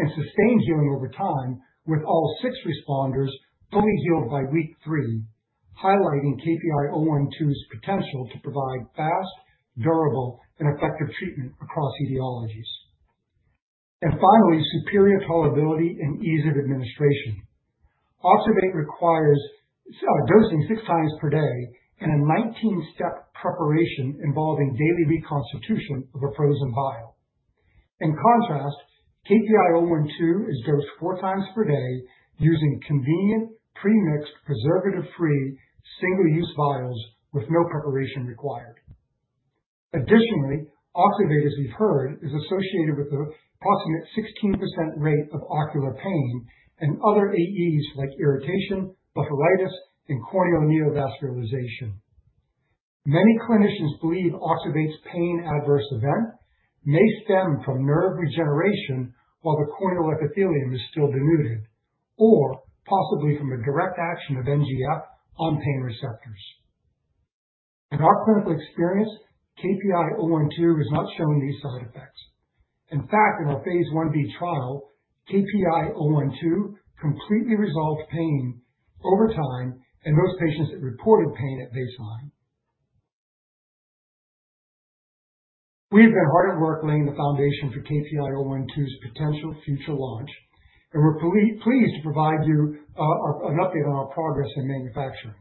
and sustained healing over time with all six responders healed by week three, highlighting KPI-012's potential to provide fast, durable and effective treatment across etiologies. Finally, superior tolerability and ease of administration. OXERVATE requires dosing six times per day and a 19-step preparation involving daily reconstitution of a frozen vial. In contrast, KPI-012 is dosed four times per day using convenient premixed preservative-free single-use vials with no preparation required. Additionally, OXERVATE, as we've heard, is associated with approximately 16% rate of ocular pain and other adverse events like irritation, blepharitis and corneal neovascularization. Many clinicians believe OXERVATEe's pain adverse event may stem from nerve regeneration while the corneal epithelium is still denuded or possibly from a direct action of rhNGF on pain receptors. In our clinical experience, KPI-012 is not showing these side effects. In fact, in our phase I-B trial, KPI-012 completely resolved pain over time in those patients that reported pain at baseline. We've been hard at work laying the foundation for KPI-012's potential future launch and we're pleased to provide you an update on our progress in manufacturing.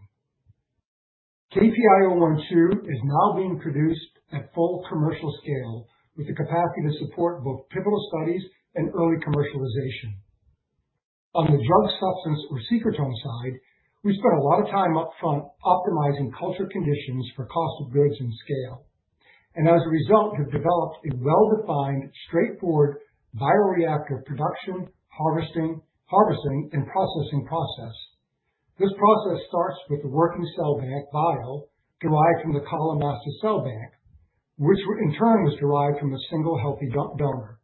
KPI-012 is now being produced at full commercial scale with the capacity to support both pivotal studies and early commercialization. On the drug substance or secretome side, we spent a lot of time up front optimizing culture conditions for cost of goods and scale and as a result have developed a well-defined, straightforward bioreactive production, harvesting, and processing process. This process starts with the working cell bank derived from the master cell bank, which in turn was derived from a single healthy donor.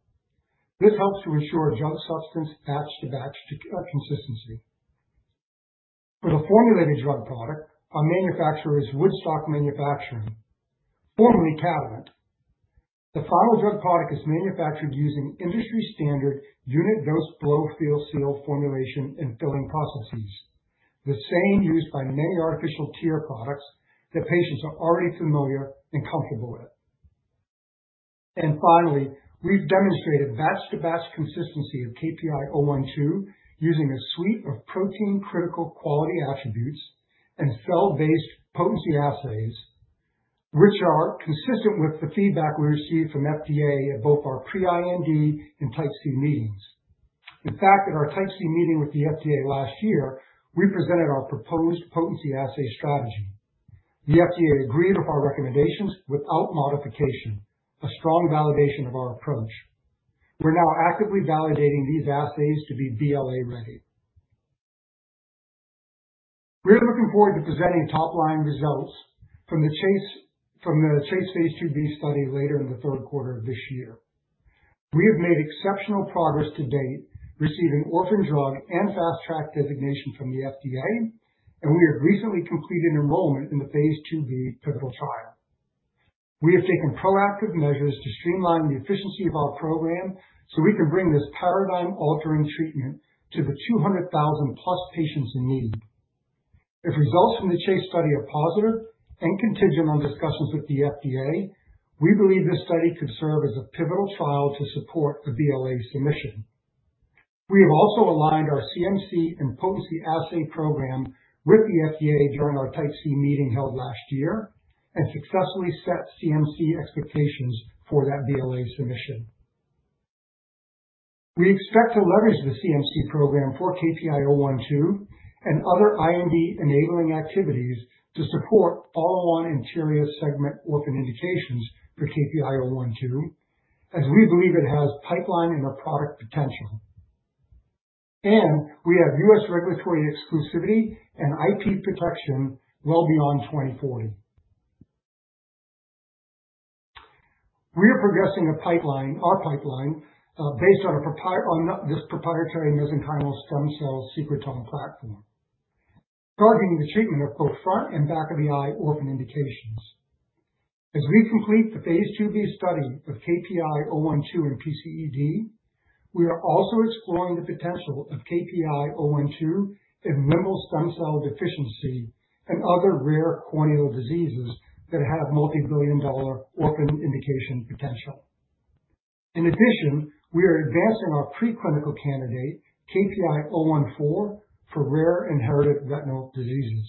This helps to ensure drug substance batch-to-batch consistency for the formulated drug product. Our manufacturer is Woodstock Manufacturing, formerly Catalent. The final drug product is manufactured using industry standard unit dose blow-fill-seal formulation and filling processes, the same used by many artificial tear products that patients are already familiar and comfortable with. Finally, we've demonstrated batch-to-batch consistency of KPI-012 using a suite of protein critical quality attributes and cell-based potency assays, which are consistent with the feedback we received from the FDA at both our pre-IND and Type C meetings. In fact, at our Type C meeting with the FDA last year, we presented our proposed potency assay strategy. The FDA agreed with our recommendations without modification, a strong validation of our approach. We're now actively validating these assays to be BLA ready. We're looking forward to presenting top-line results from the CHASE phase II-B study later in the third quarter of this year. We have made exceptional progress to date, receiving Orphan Drug and Fast Track designation from the FDA, and we had recently completed enrollment in the phase II-B pivotal trial. We have taken proactive measures to streamline the efficiency of our program so we can bring this paradigm-altering treatment to the 200,000+ patients in need. If results from the CHASE trial are positive and contingent on discussions with the FDA, we believe this study could serve as a pivotal trial to support a BLA submission. We have also aligned our CMC and potency assay program with the FDA during our Type C meeting held last year and successfully set CMC expectations for that BLA submission. We expect to leverage the CMC program for KPI-012 and other IND-enabling activities to support all anterior segment orphan indications for KPI-012 as we believe it has pipeline and product potential, and we have U.S. regulatory exclusivity and IP protection well beyond 2040. We are progressing our pipeline based on this proprietary mesenchymal stem cell secretome platform targeting the treatment of both front and back of the eye orphan indications. As we complete the phase II-B study of KPI-012 in PCED, we are also exploring the potential of KPI-012 in limbal stem cell deficiency and other rare corneal diseases that have multibillion dollar orphan indication potential. In addition, we are advancing our preclinical candidate KPI-014 for rare inherited retinal diseases.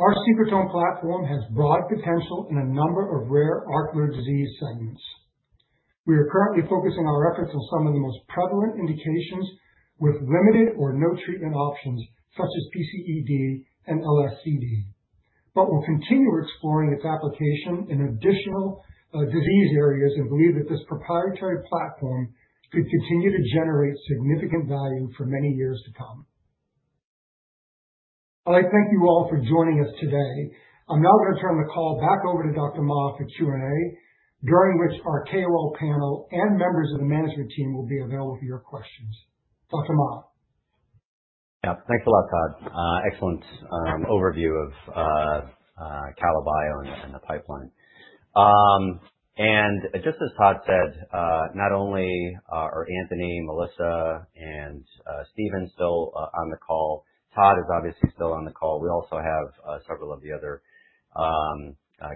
Our secretome platform has broad potential in a number of rare ocular disease studies. We are currently focusing our efforts on some of the most prevalent indications with limited or no treatment options such as PCED and LSCD. We will continue exploring its application in additional disease areas and believe that this proprietary platform could continue to generate significant value for many years to come. I'd like to thank you all for joining us today. I'm now going to turn the call back over to Dr. Mah for Q&A, during which our KOL panel and members of the management team will be available for your questions. Dr. Mah. Yeah, thanks a lot Todd. Excellent overview of KALA BIO and the pipeline. Just as Todd said, not only are Anthony, Melissa, and Stephen still on the call, Todd is obviously still on the call. We also have several of the other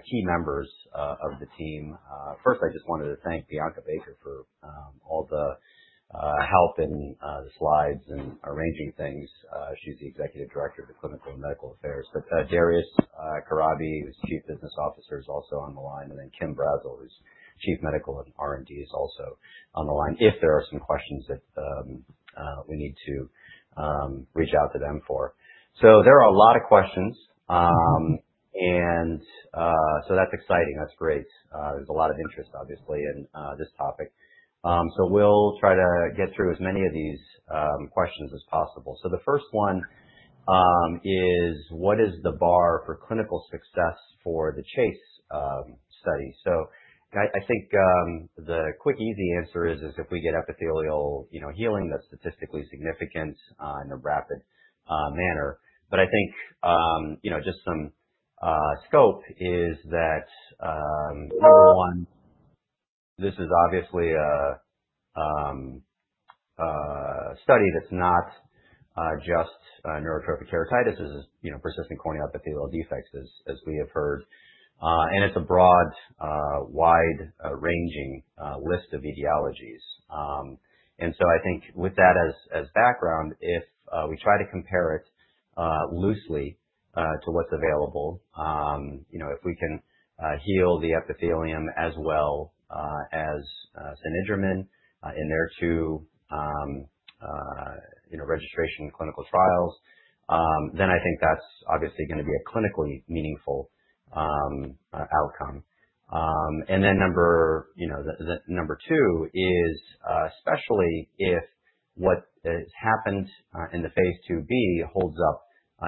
key members of the team. First, I just wanted to thank Bianca Baker for all the help in the slides and arranging things. She's the Executive Director of Clinical and Medical Affairs. Darius Kharabi, who's Chief Business Officer, is also on the line. Kim Brazzell, who's Chief Medical and R&D, is also on the line if there are some questions that we need to reach out to them for. There are a lot of questions and that's exciting. That's great. There's a lot of interest obviously in this topic, so we'll try to get through as many of these questions as possible. The first one is what is the bar for clinical success for the CHASE trial? I think the quick, easy answer is if we get epithelial healing that's statistically significant in a rapid manner. I think just some scope is that, number one, this is obviously a study that's not just neurotrophic keratitis, it's persistent corneal epithelial defects, as we have heard. It's a broad, wide-ranging list of etiologies. I think with that as background, if we try to compare it loosely to what's available, if we can heal the epithelium as well as OXERVATE in their two registration clinical trials, then I think that's obviously going to be a clinically meaningful outcome. Number two is especially if what happens in the phase II-B holds up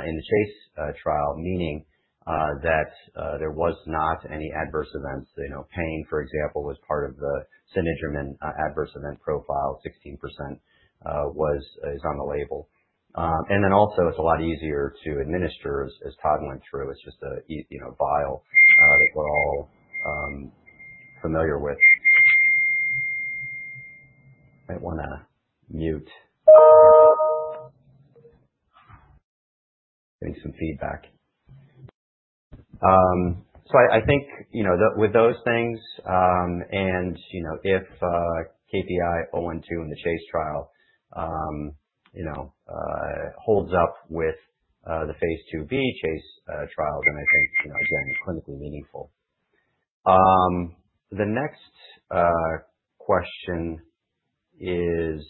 in the CHASE trial, meaning that there were not any adverse events. Pain, for example, was part of the OXERVATE adverse event profile. 16% was on the label. It's a lot easier to administer as Todd went through. It's just a vial that we're all familiar with, getting some feedback. I think with those things and if KPI-012 in the CHASE trial holds up with the phase II-B CHASE trial, then I think, again, clinically meaningful. The next question is,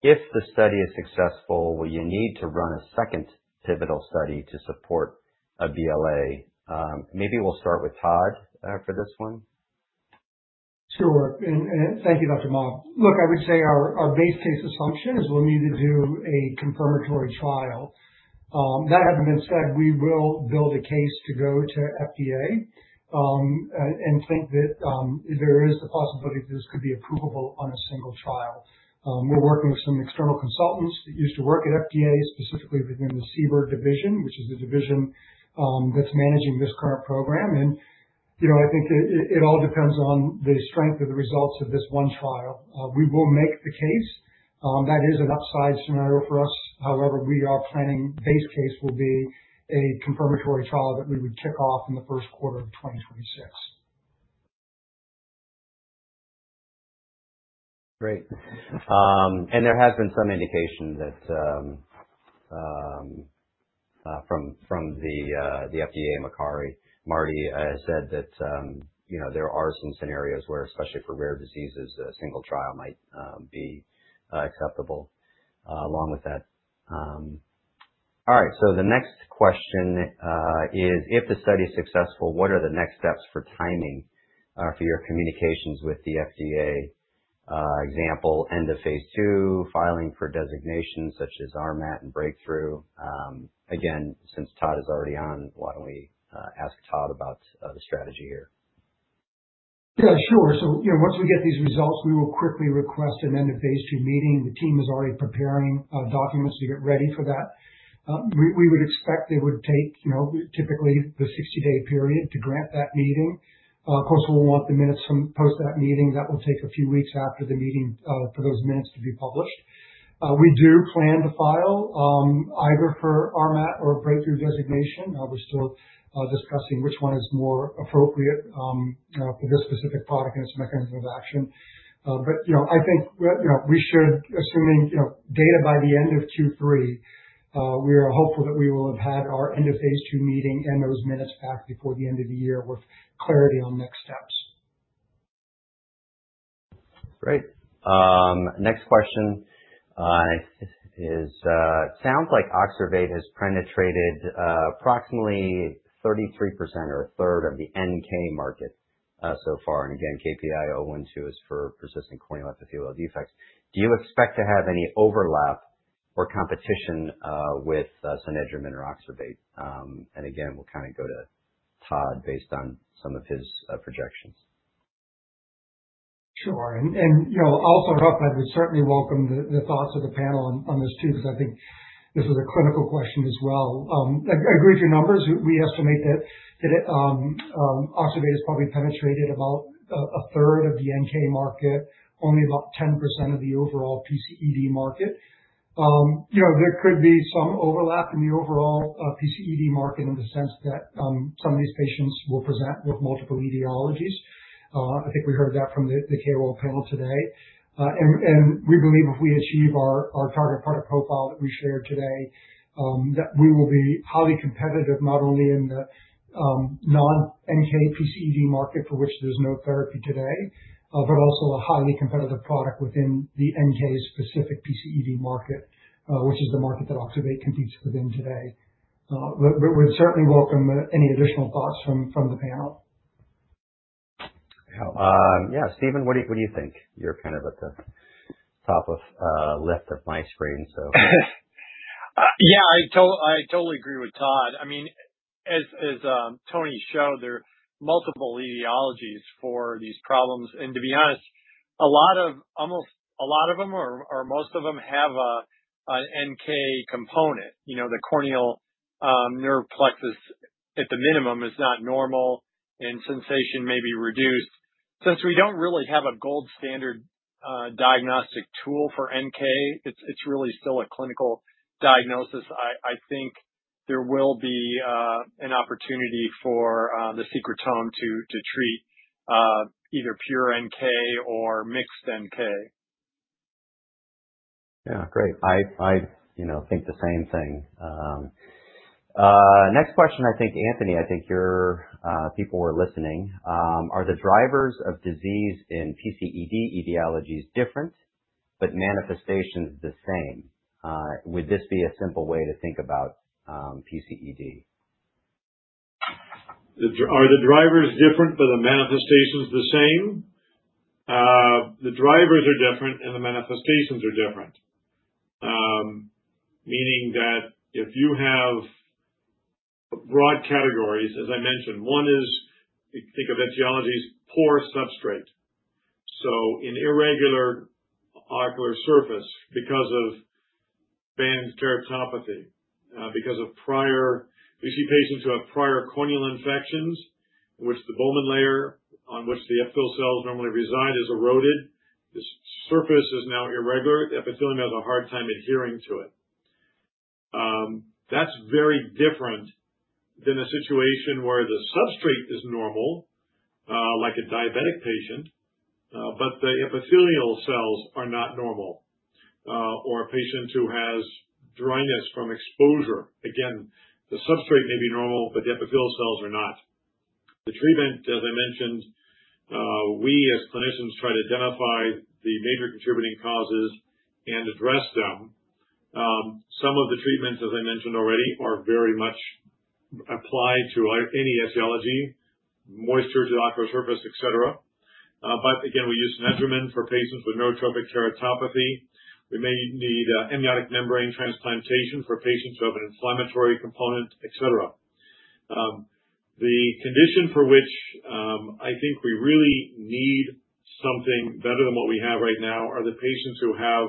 if the study is successful, will you need to run a second pivotal study to support a BLA? Maybe we'll start with Todd for this one. Sure. Thank you, Dr. Mah. I would say our base case assumption is we'll need to do a confirmatory trial. That having been said, we will build a case to go to FDA and think that there is the possibility that this could be approvable on a single trial. We're working with some external consultants that used to work at FDA, specifically within the CBER division, which is the division that's managing this current program. I think it all depends on the strength of the results of this one trial. We will make the case that is an upside scenario for us. However, we are planning base case will be a confirmatory trial that we would kick off in the first quarter of 2026. Great. There has been some indication from the FDA. Makari Marty said that there are some scenarios where, especially for rare diseases, a single trial might be acceptable along with that. All right, the next question is, if the study is successful, what are the next steps for timing for your communications with the FDA? Example, end of phase II, filing for designations such as [RMAT] and breakthrough. Again, since Todd is already on, why don't we ask Todd about the strategy here? Yeah, sure. Once we get these results, we will quickly request an end of phase II meeting. The team is already preparing documents to get ready for that. We would expect they would take, typically, the 60-day period to grant that meeting. Of course, we'll want the minutes from post that meeting. That will take a few weeks after the meeting for those minutes to be published. We do plan to file either for RMAT or breakthrough designation. We're still discussing which one is more appropriate for this specific product and its mechanism of action. I think we should, excluding data, by the end of Q3. We are hopeful that we will have had our end of phase II meeting and those minutes before the end of the year with clarity on next steps. Great. Next question is it sounds like OXERVATE has penetrated approximately 33% or 1/3 of the NK market so far. Again, KPI-012 is for persistent corneal epithelial defects. Do you expect to have any overlap or competition with cenegermin or OXERVATE? Again, we'll kind of go to Todd based on some of his projections. Sure. I'll start. I would certainly welcome the thoughts of the panel on this, Chief, because I think this was a clinical question as well. I agree with your numbers. We estimate that OXERVATE has probably penetrated about 1/3 of the NK market, only about 10% of the overall PCED market. There could be some overlap in the overall PCED market in the sense that some of these patients will present with multiple etiologies. I think we heard that from the KOL panel today, and we believe if we achieve our target product profile that we shared today, we will be highly competitive not only in the non-NK PCED market, for which there's no therapy today, but also a highly competitive product within the NK-specific PCED market, which is the market that OXERVATE competes within today. We'd certainly welcome any additional thoughts from the panel. Yeah, Stephen, what do you think? You're kind of at the top left of my screen. Yeah, I totally agree with Todd. I mean, as [Sjögrens], there's multiple etiologies for these problems. To be honest, almost a lot of them or most of them have an NK component. You know, the corneal nerve plexus at the minimum is not normal, and sensation may be reduced. Since we don't really have a gold standard diagnostic tool for NK, it's really still a clinical diagnosis. I think there will be an opportunity for the secretome to treat either pure NK or mixed NK. Yeah, great. I think the same thing. Next question. I think, Anthony, I think your people were listening. Are the drivers of disease in PCED etiologies different, but manifestations the same? Would this be a simple way to think about PCED? Are the drivers different but the manifestations the same? The drivers are different and the manifestations are different. Meaning that if you have broad categories, as I mentioned, one is think of etiology, poor substrate. In irregular ocular surface because of band keratopathy, because of prior, you see patients who have prior corneal infections in which the Bowman's layer on which the epithelial cells normally reside is eroded, the surface is now irregular, the epithelium has a hard time adhering to it. That's very different than a situation where the substrate is normal, like a diabetic patient, but the epithelial cells are not normal, or a patient who has dryness from exposure. Again, the substrate may be normal, but the epithelial cells are not. The treatment, as I mentioned, we as clinicians try to identify the major contributing causes and address them. Some of the treatments, as I mentioned already, are very much applied to any etiology, moisture to the ocular surface, etc. We use, for patients with neurotrophic keratitis, we may need amniotic membrane transplantation for patients who have an inflammatory component, etc. The condition for which I think we really need something better than what we have right now are the patients who have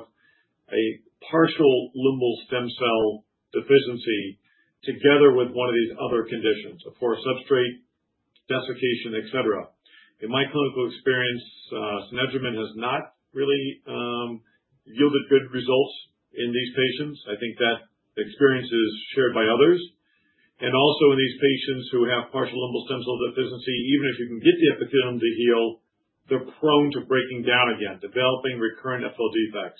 a partial limbal stem cell deficiency together with one of these other conditions, a poor substrate, desiccation, et cetera. In my clinical experience, measurement has not really yielded good results in these patients. I think that experience is shared by others. Also, in these patients who have partial limbal stem cell deficiency, even if you can get the epithelium to heal, they're prone to breaking down again, developing recurrent epithelial defects.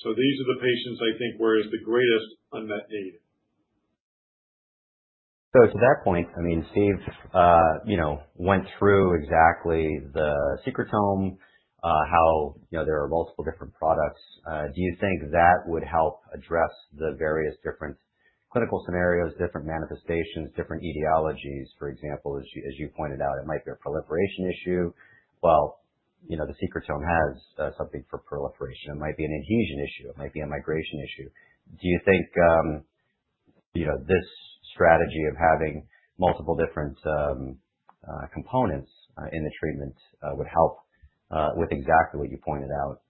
These are the patients, I think, where it is the greatest unmet need. To that point, I mean, Steve, you know, went through exactly the secretome, how, you know, there are multiple different products. Do you think that would help address the various different clinical scenarios, different manifestations, different etiologies? For example, as you pointed out, it might be a proliferation issue. You know, the secretome has something for proliferation. It might be an adhesion issue, it might be a migration issue. Do you think, you know, this strategy of having multiple different components in the treatment would help with exactly what you pointed out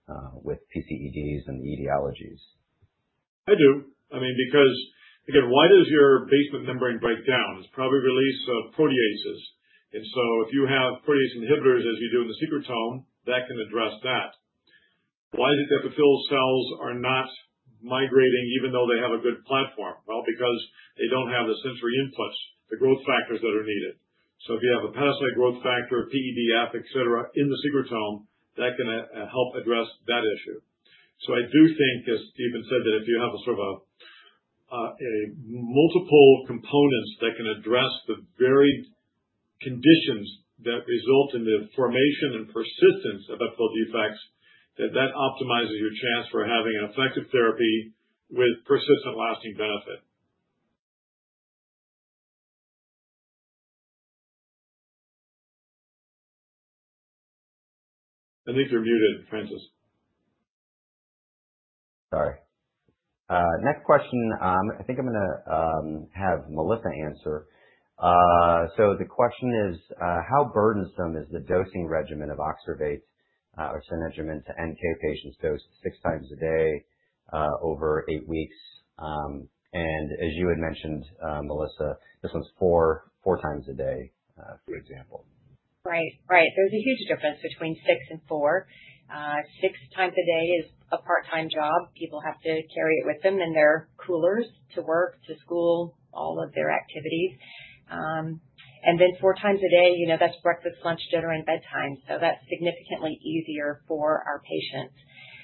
with PCEDs and etiologies? I do. I mean, because again, why does your basement membrane break down? It's probably release of proteases. If you have protease inhibitors, as you do in the secretome, that can address that. Why is it that the fulfilled cells are not migrating even though they have a good platform? They don't have the sensory inputs, the growth factors that are needed. If you have a parasite growth factor, PEDF, et cetera, in the secretome, that can help address that issue. I do think, as Stephen said, that if you have multiple components that can address the varied conditions that result in the formation and persistence of epithelial defects, that optimizes your chance for having an effective therapy with persistent lasting benefit. These are muted. Francis. Sorry, next question. I think I'm going to have Melissa answer. The question is how burdensome is the dosing regimen of OXERVATE or [Synergy meant] to NK patients? Dose six times a day over eight weeks. As you had mentioned, Melissa, this one's four, four times a day, for example. Right? Right. There's a huge difference between six and four. Six times a day is a part-time job. People have to carry it with them in their coolers, to work, to school, all of their activities, and then four times a day, you know, that's breakfast, lunch, dinner, and bedtime. That's significantly easier for our patients.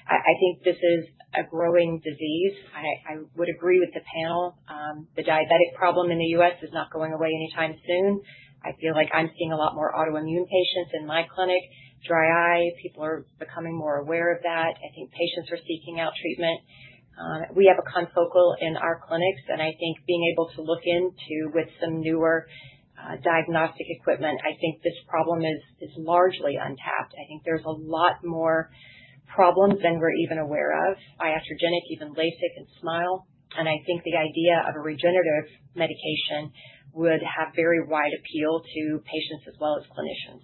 I think this is a growing disease. I would agree with the panel. The diabetic problem in the U.S. is not going away anytime soon. I feel like I'm seeing a lot more autoimmune patients in my clinic. Dry eye people are becoming more aware of that. I think patients are seeking out treatment. We have a confocal in our clinics, and I think being able to look into with some newer diagnostic equipment, this problem is largely untapped. I think there's a lot more problems than we're even aware of. Iatrogenic, even LASIK and SMILE, and I think the idea of a regenerative medication would have very wide appeal to patients as well as clinicians.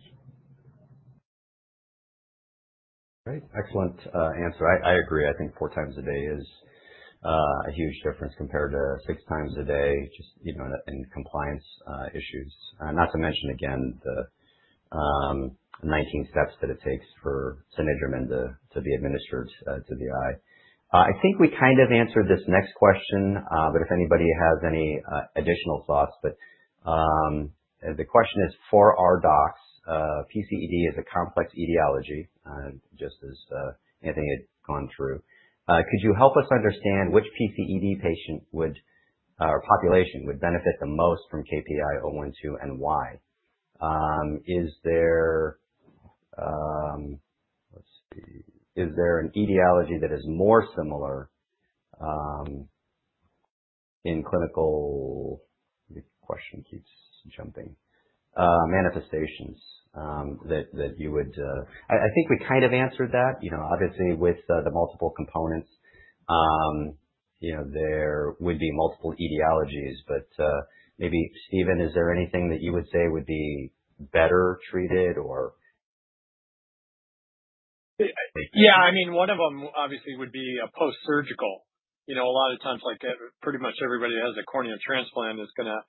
Excellent answer. I agree. I think four times a day is a huge difference compared to fixed times a day just in compliance issues. Not to mention again the 19 steps that it takes for OXERVATE to be administered to the eye. I think we kind of answered this next question. If anybody has any additional thoughts, the question is for our docs. PCED is a complex etiology just as Anthony had gone through. Could you help us understand which PCED patient or population would benefit the most from KPI-012 and why? Let's see, is there an etiology that is more similar in clinical manifestations that you would— I think we kind of answered that. Obviously, with the multiple components, there would be multiple etiologies, but maybe, Stephen, is there anything that you would say would be better treated or. Yeah, I mean, one of them obviously would be a post-surgical. You know, a lot of times, like pretty much everybody who has a cornea transplant is going to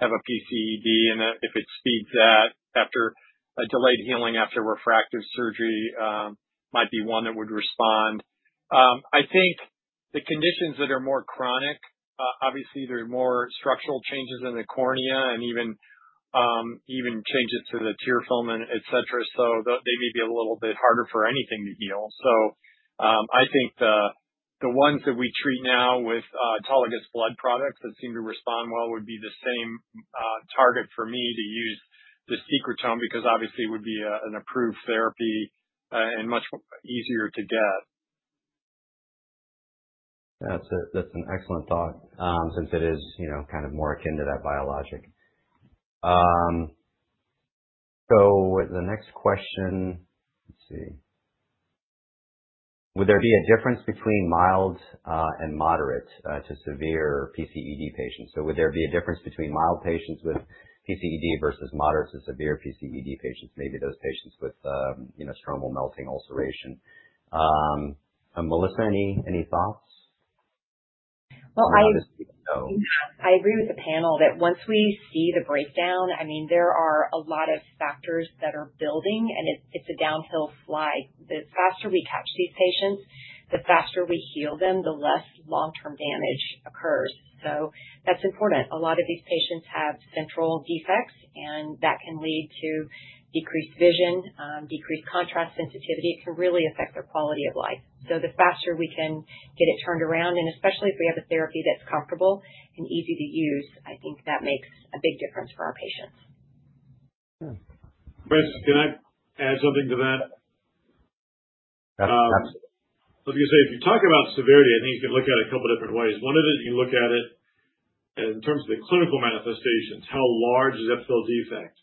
have a PCED, and if it speeds that after a delayed healing, after refractive surgery might be one that would respond. I think the conditions that are more chronic, obviously there are more structural changes in the cornea and even changes to the tear film, et cetera. They may be a little bit harder for anything to. I think the ones that we treat now with autologous blood products that seem to respond well would be the same target for me to use the secretome, because obviously it would be an approved therapy and much easier to get. That's an excellent thought since it is kind of more akin to that biologic. The next question, let's see. Would there be a difference between mild and moderate to severe PCED patients? Would there be a difference between mild patients with PCED versus moderate to severe PCED patients? Maybe those patients with stromal melting ulceration. Melissa, any thoughts? I agree with the panel that once we see the breakdown, there are a lot of factors that are building and it's a downhill flight. The faster we touch these patients, the faster we heal them, the less long-term damage occurs. That's important. A lot of these patients have central defects and that can lead to decreased vision, decreased contrast sensitivity. It can really affect their quality of life. The faster we can get it turned around, and especially if we have a therapy that's comfortable and easy to use, I think that makes a big difference for our patients. Chris, can I add something to that? I was going to say, if you talk about severity, I think you can look at it a couple different ways. One of it is you look at it in terms of the clinical manifestations. How large is the epithelial defect?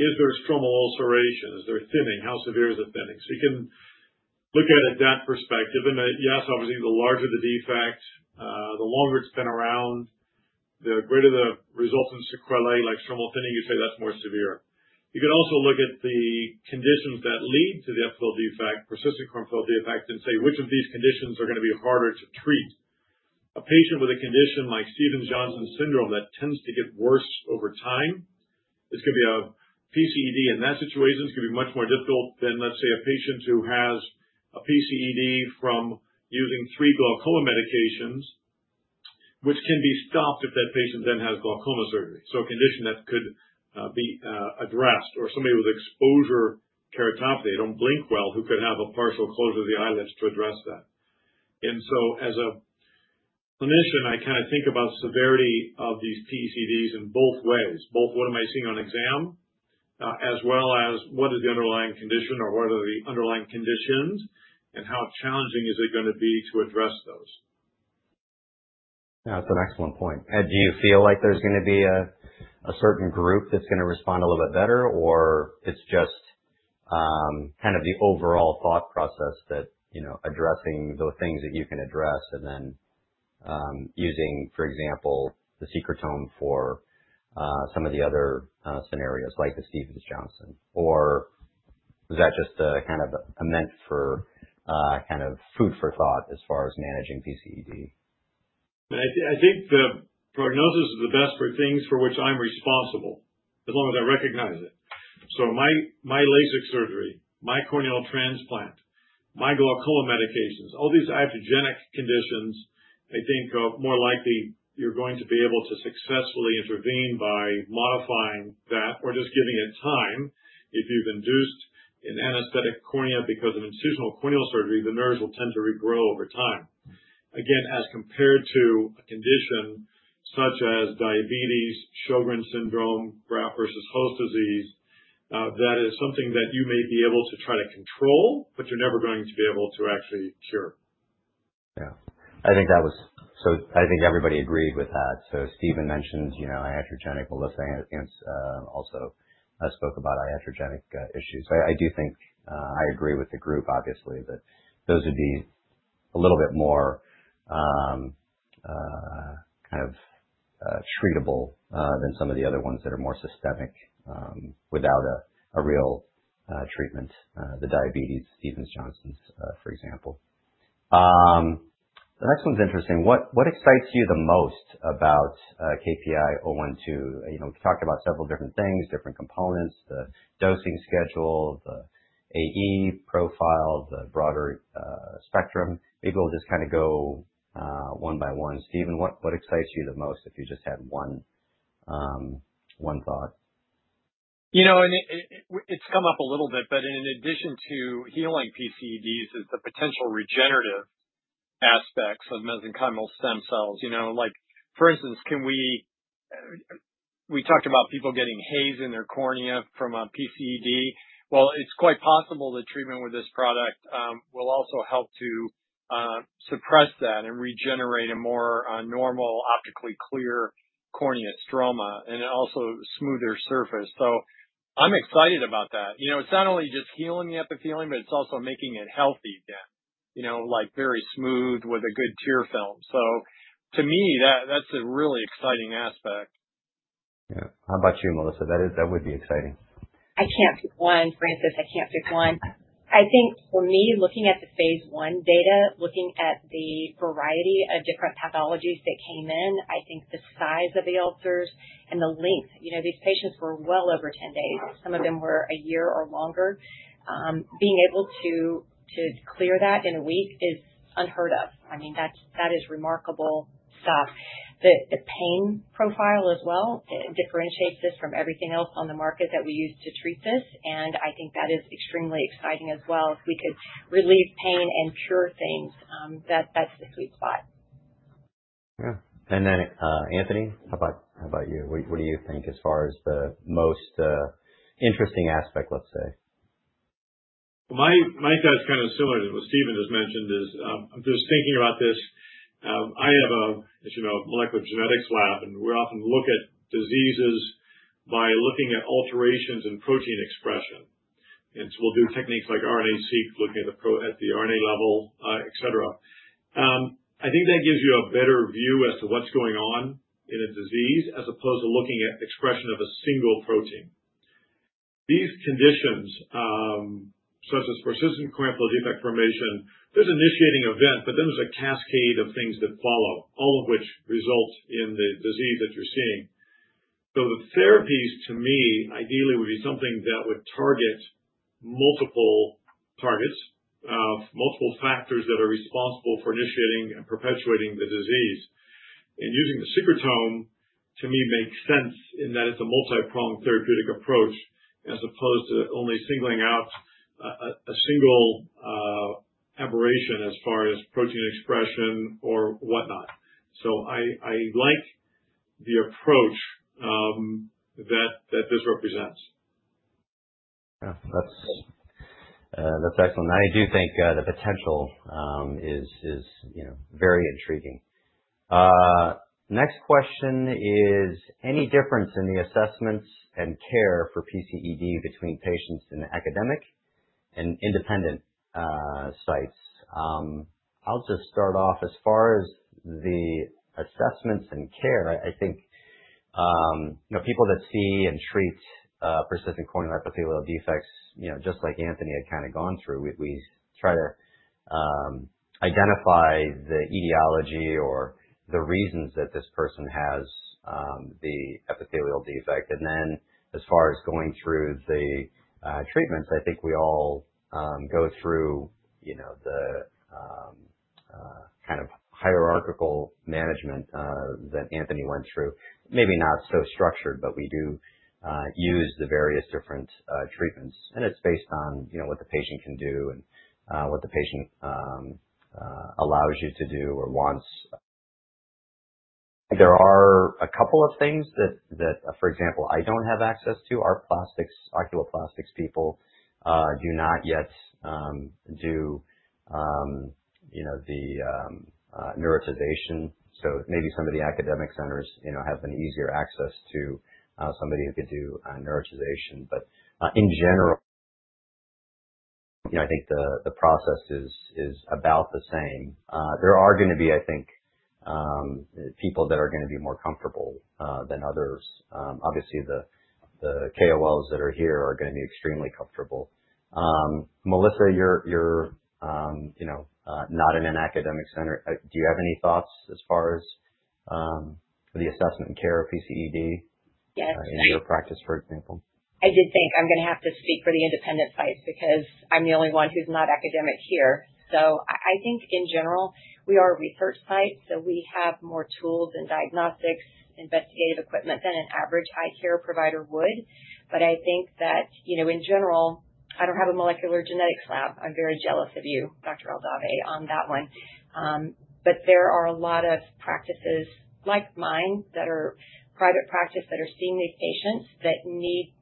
Is there a stromal ulceration? Is there thinning? How severe is the thinning? You can look at it that perspective. Yes, the larger the defect, the longer it's been around, the greater the resultant sequelae, like stromal thinning, you say that's more severe. You can also look at the conditions that lead to the epithelial defect, persistent corneal epithelial defect, and say which of these conditions are going to be harder to treat? A patient with a condition like Stevens-Johnson syndrome that tends to get worse over time. This could be a PCED. In that situation, it's going to be much more difficult than, let's say, a patient who has a PCED from using three glaucoma medications, which can be stopped if that patient then has glaucoma surgery. A condition that could be addressed or somebody with exposure keratopathy, don't blink, who could have a partial closure of the eyelids to address that. As a clinician, I kind of think about severity of these PCEDs in both ways. Both what am I seeing on exam as well as what is the underlying condition or what are the underlying conditions and how challenging is it going to be to address those. That's an excellent point, and. Do you feel like there's going to be a certain group that's going to respond a little bit better or it's just kind of the overall thought process that, you know, addressing the things that you can address and then using, for example, the secretome for some of the other scenarios like the Stevens-Johnson, or is that just kind of meant for kind of food for thought as far as managing PCED? I think the prognosis is the best for things for which I'm responsible as long as I recognize it. My LASIK surgery, my corneal transplant, my glaucoma medications, all these iatrogenic conditions, I think more likely you're going to be able to successfully intervene by modifying that or just giving it time. If you've induced an anesthetic cornea because of incisional corneal surgery, the nerves will tend to regrow over time again, as compared to a condition such as diabetes, Sjögrens syndrome, graft versus host disease. That is something that you may be able to try to control, but you're never going to be able to actually cure. Yeah, I think that was so. I think everybody agreed with that. Stephen mentioned, you know, iatrogenic bullet, also spoke about iatrogenic issues. I do think I agree with the group, obviously, that those would be a little bit more kind of treatable than some of the other ones that are more systemic without a real treatment. The diabetes, Stevens-Johnson's, for example. The next one's interesting. What excites you the most about KPI-012? We've talked about several different things, different components, the dosing schedule, the AE profile, the broader spectrum. Maybe we'll just kind of go one by one. Stephen, what excites you the most if you just had one thought. You know, it's come up a little bit. In addition to healing PCEDs is the potential regenerative aspects of mesenchymal stem cells. For instance, can we— we talked about people getting haze in their cornea from a PCED. It's quite possible that treatment with this product will also help to suppress that and regenerate a more normal, optically clear corneal stromal and also a smoother surface. I'm excited about that. It's not only just healing the epithelium, but it's also making it healthy, you know, like very smooth with a good tear film. To me that's a really exciting aspect. Yeah. How about you, Melissa? That would be exciting. I can't pick one, Francis, I can't pick one. I think for me, looking at the phase I-B data, looking at the variety of different pathologies that came in, I think the size of the ulcers and the length, you know, these patients were well over 10 days, some of them were a year or longer. Being able to clear that in a week is unheard of. I mean, that is remarkable stuff. The pain profile as well differentiates this from everything else on the market that we use to treat this. I think that is extremely exciting as well. If we could relieve pain and cure things, that's the sweet spot. Yeah. Anthony, how about you, what do you think as far as the most interesting aspect, let's say. My thought is kind of similar to what Stephen has mentioned. I'm just thinking about this. I have a, as you know, molecular genetics lab and we often look at diseases by looking at alterations in protein expression. We'll do techniques like RNA seq, looking at the RNA level, et cetera. I think that gives you a better view as to what's going on in a disease as opposed to looking at expression of a single protein. These conditions, such as persistent corneal epithelial defect formation, there's an initiating event, but then there's a cascade of things that follow, all of which result in the disease that you're seeing. The therapies to me ideally would be something that would target multiple targets, multiple factors that are responsible for initiating and perpetuating the disease. Using the mesenchymal stem cell secretome to me makes sense in that it's a multi-pronged therapeutic approach as opposed to only singling out a single aberration as far as protein expression or whatnot. I like the approach that this represents. That's excellent. I do think the potential is, you know, very intriguing. Next question is any difference in the assessments and care for PCED between patients in the academic and independent sites? I'll just start off as far as the assessments and care. I think people that see and treat persistent corneal epithelial defects, you know, just like Anthony had kind of gone through, we try to identify the etiology or the reasons that this person has the epithelial defect. As far as going through the treatments, I think we all go through, you know, the kind of hierarchical management that Anthony went through. Maybe not so structured, but we do use the various different treatments. It's based on, you know, what the patient can do and what the patient allows you to do or wants. There are a couple of things that, for example, I don't have access to. Our plastics oculoplastics people do not yet do, you know, the neurotization. Maybe some of the academic centers, you know, have an easier access to somebody who could do neurotization. In general, I think the process is about the same. There are going to be, I think, people that are going to be more comfortable than others. Obviously, the KOLs that are here are going to be extremely comfortable. Melissa, you're not in an academic center. Do you have any thoughts as far as the assessment and care of PCED in your practice, for example? I did think I'm going to have to speak for the independent site because I'm the only one who's not academic here. I think in general, we are a research site, so we have more tools and diagnostics, investigative equipment than an average eye care provider would. I think that, you know, in general, I don't have a molecular genetics lab. I'm very jealous of you, Dr. Aldave, on that one. There are a lot of practices like mine that are private practice that are seeing these patients that need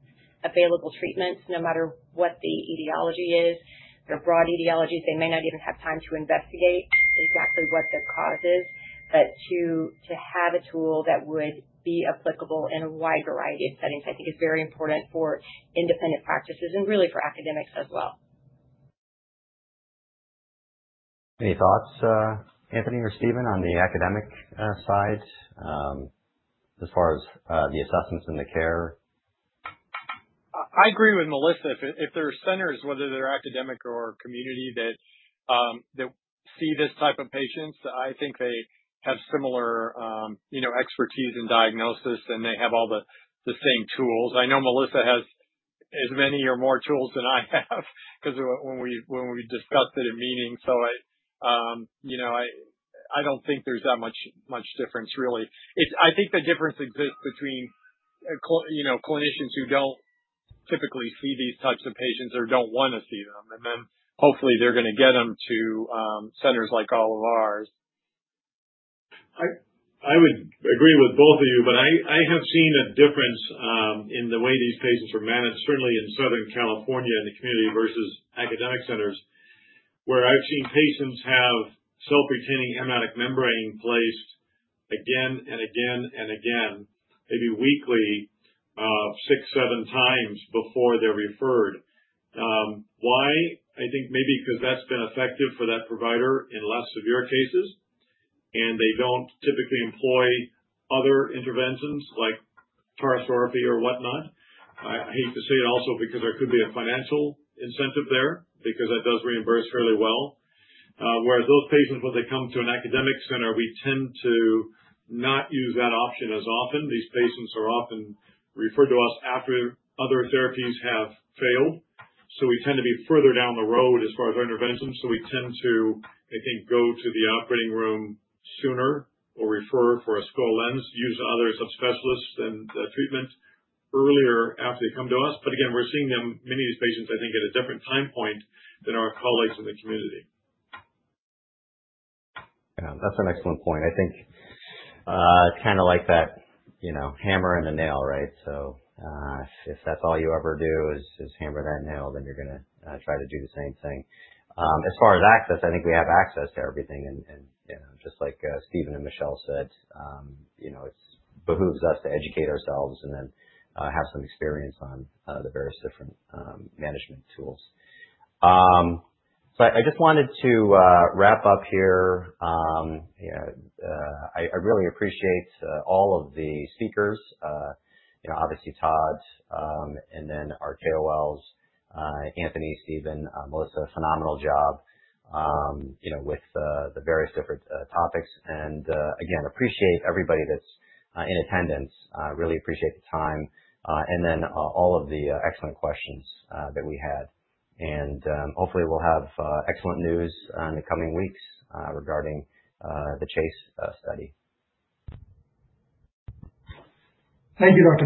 available treatments, no matter what the etiology is, their broad etiology. They may not even have time to investigate exactly what the cause is. To have a tool that would be applicable in a wide variety of settings, I think is very important for independent practices and really for academics as well. Any thoughts, Anthony or Stephen, on the academic side, as far as the assessments and the care? I agree with Melissa. If there are centers, whether they're academic or community, that see this type of patients, I think they have similar expertise in diagnosis and they have all the same tools. I know Melissa has as many or more tools than I have because when. We discussed it in meetings. I don't think there's that much difference really. I think the difference exists between clinicians who don't typically see these types of patients or don't want to see them, and then hopefully they're going to get them to centers like all of ours. I would agree with both of you, but I have seen a difference in the way these patients are managed, certainly in Southern California. In community versus academic centers, where I've seen patients have self-retaining amniotic membrane placed again and again and again, maybe weekly, six, seven times before they're referred. Why? I think maybe because that's been effective for that provider in less severe cases and they don't typically employ other interventions like paracentesis or whatnot. I hate to say it, also because there could be a financial incentive there because that does reimburse fairly well. Whereas those patients, when they come to an academic center, we tend to not use that option as often. These patients are often referred to us after other therapies have failed. We tend to be further down the road as far as intervention. We tend to, I think, go to the operating room sooner or refer for a scleral lens, use other subspecialists and treatments earlier after they come to us. We're seeing them, many of these patients, I think at a different time point than our colleagues in the community. That's an excellent point. I think it's kind of like that, you know, hammer and a nail, right? If that's all you ever do is hammer that nail, then you're going to try to do the same thing. As far as access, I think we have access to everything. Just like Stephen and Melissa said, it behooves us to educate ourselves and then have some experience on the various different management tools. I just wanted to wrap up here. I really appreciate all of the speakers, obviously Todd and then our KOLs, Anthony, Stephen, Melissa, phenomenal job, you know, with the various different topics. I appreciate everybody that's in attendance, really appreciate the time and all of the excellent questions that we had. Hopefully we'll have excellent news in the coming weeks regarding the CHASE trial. Thank you, Doctor.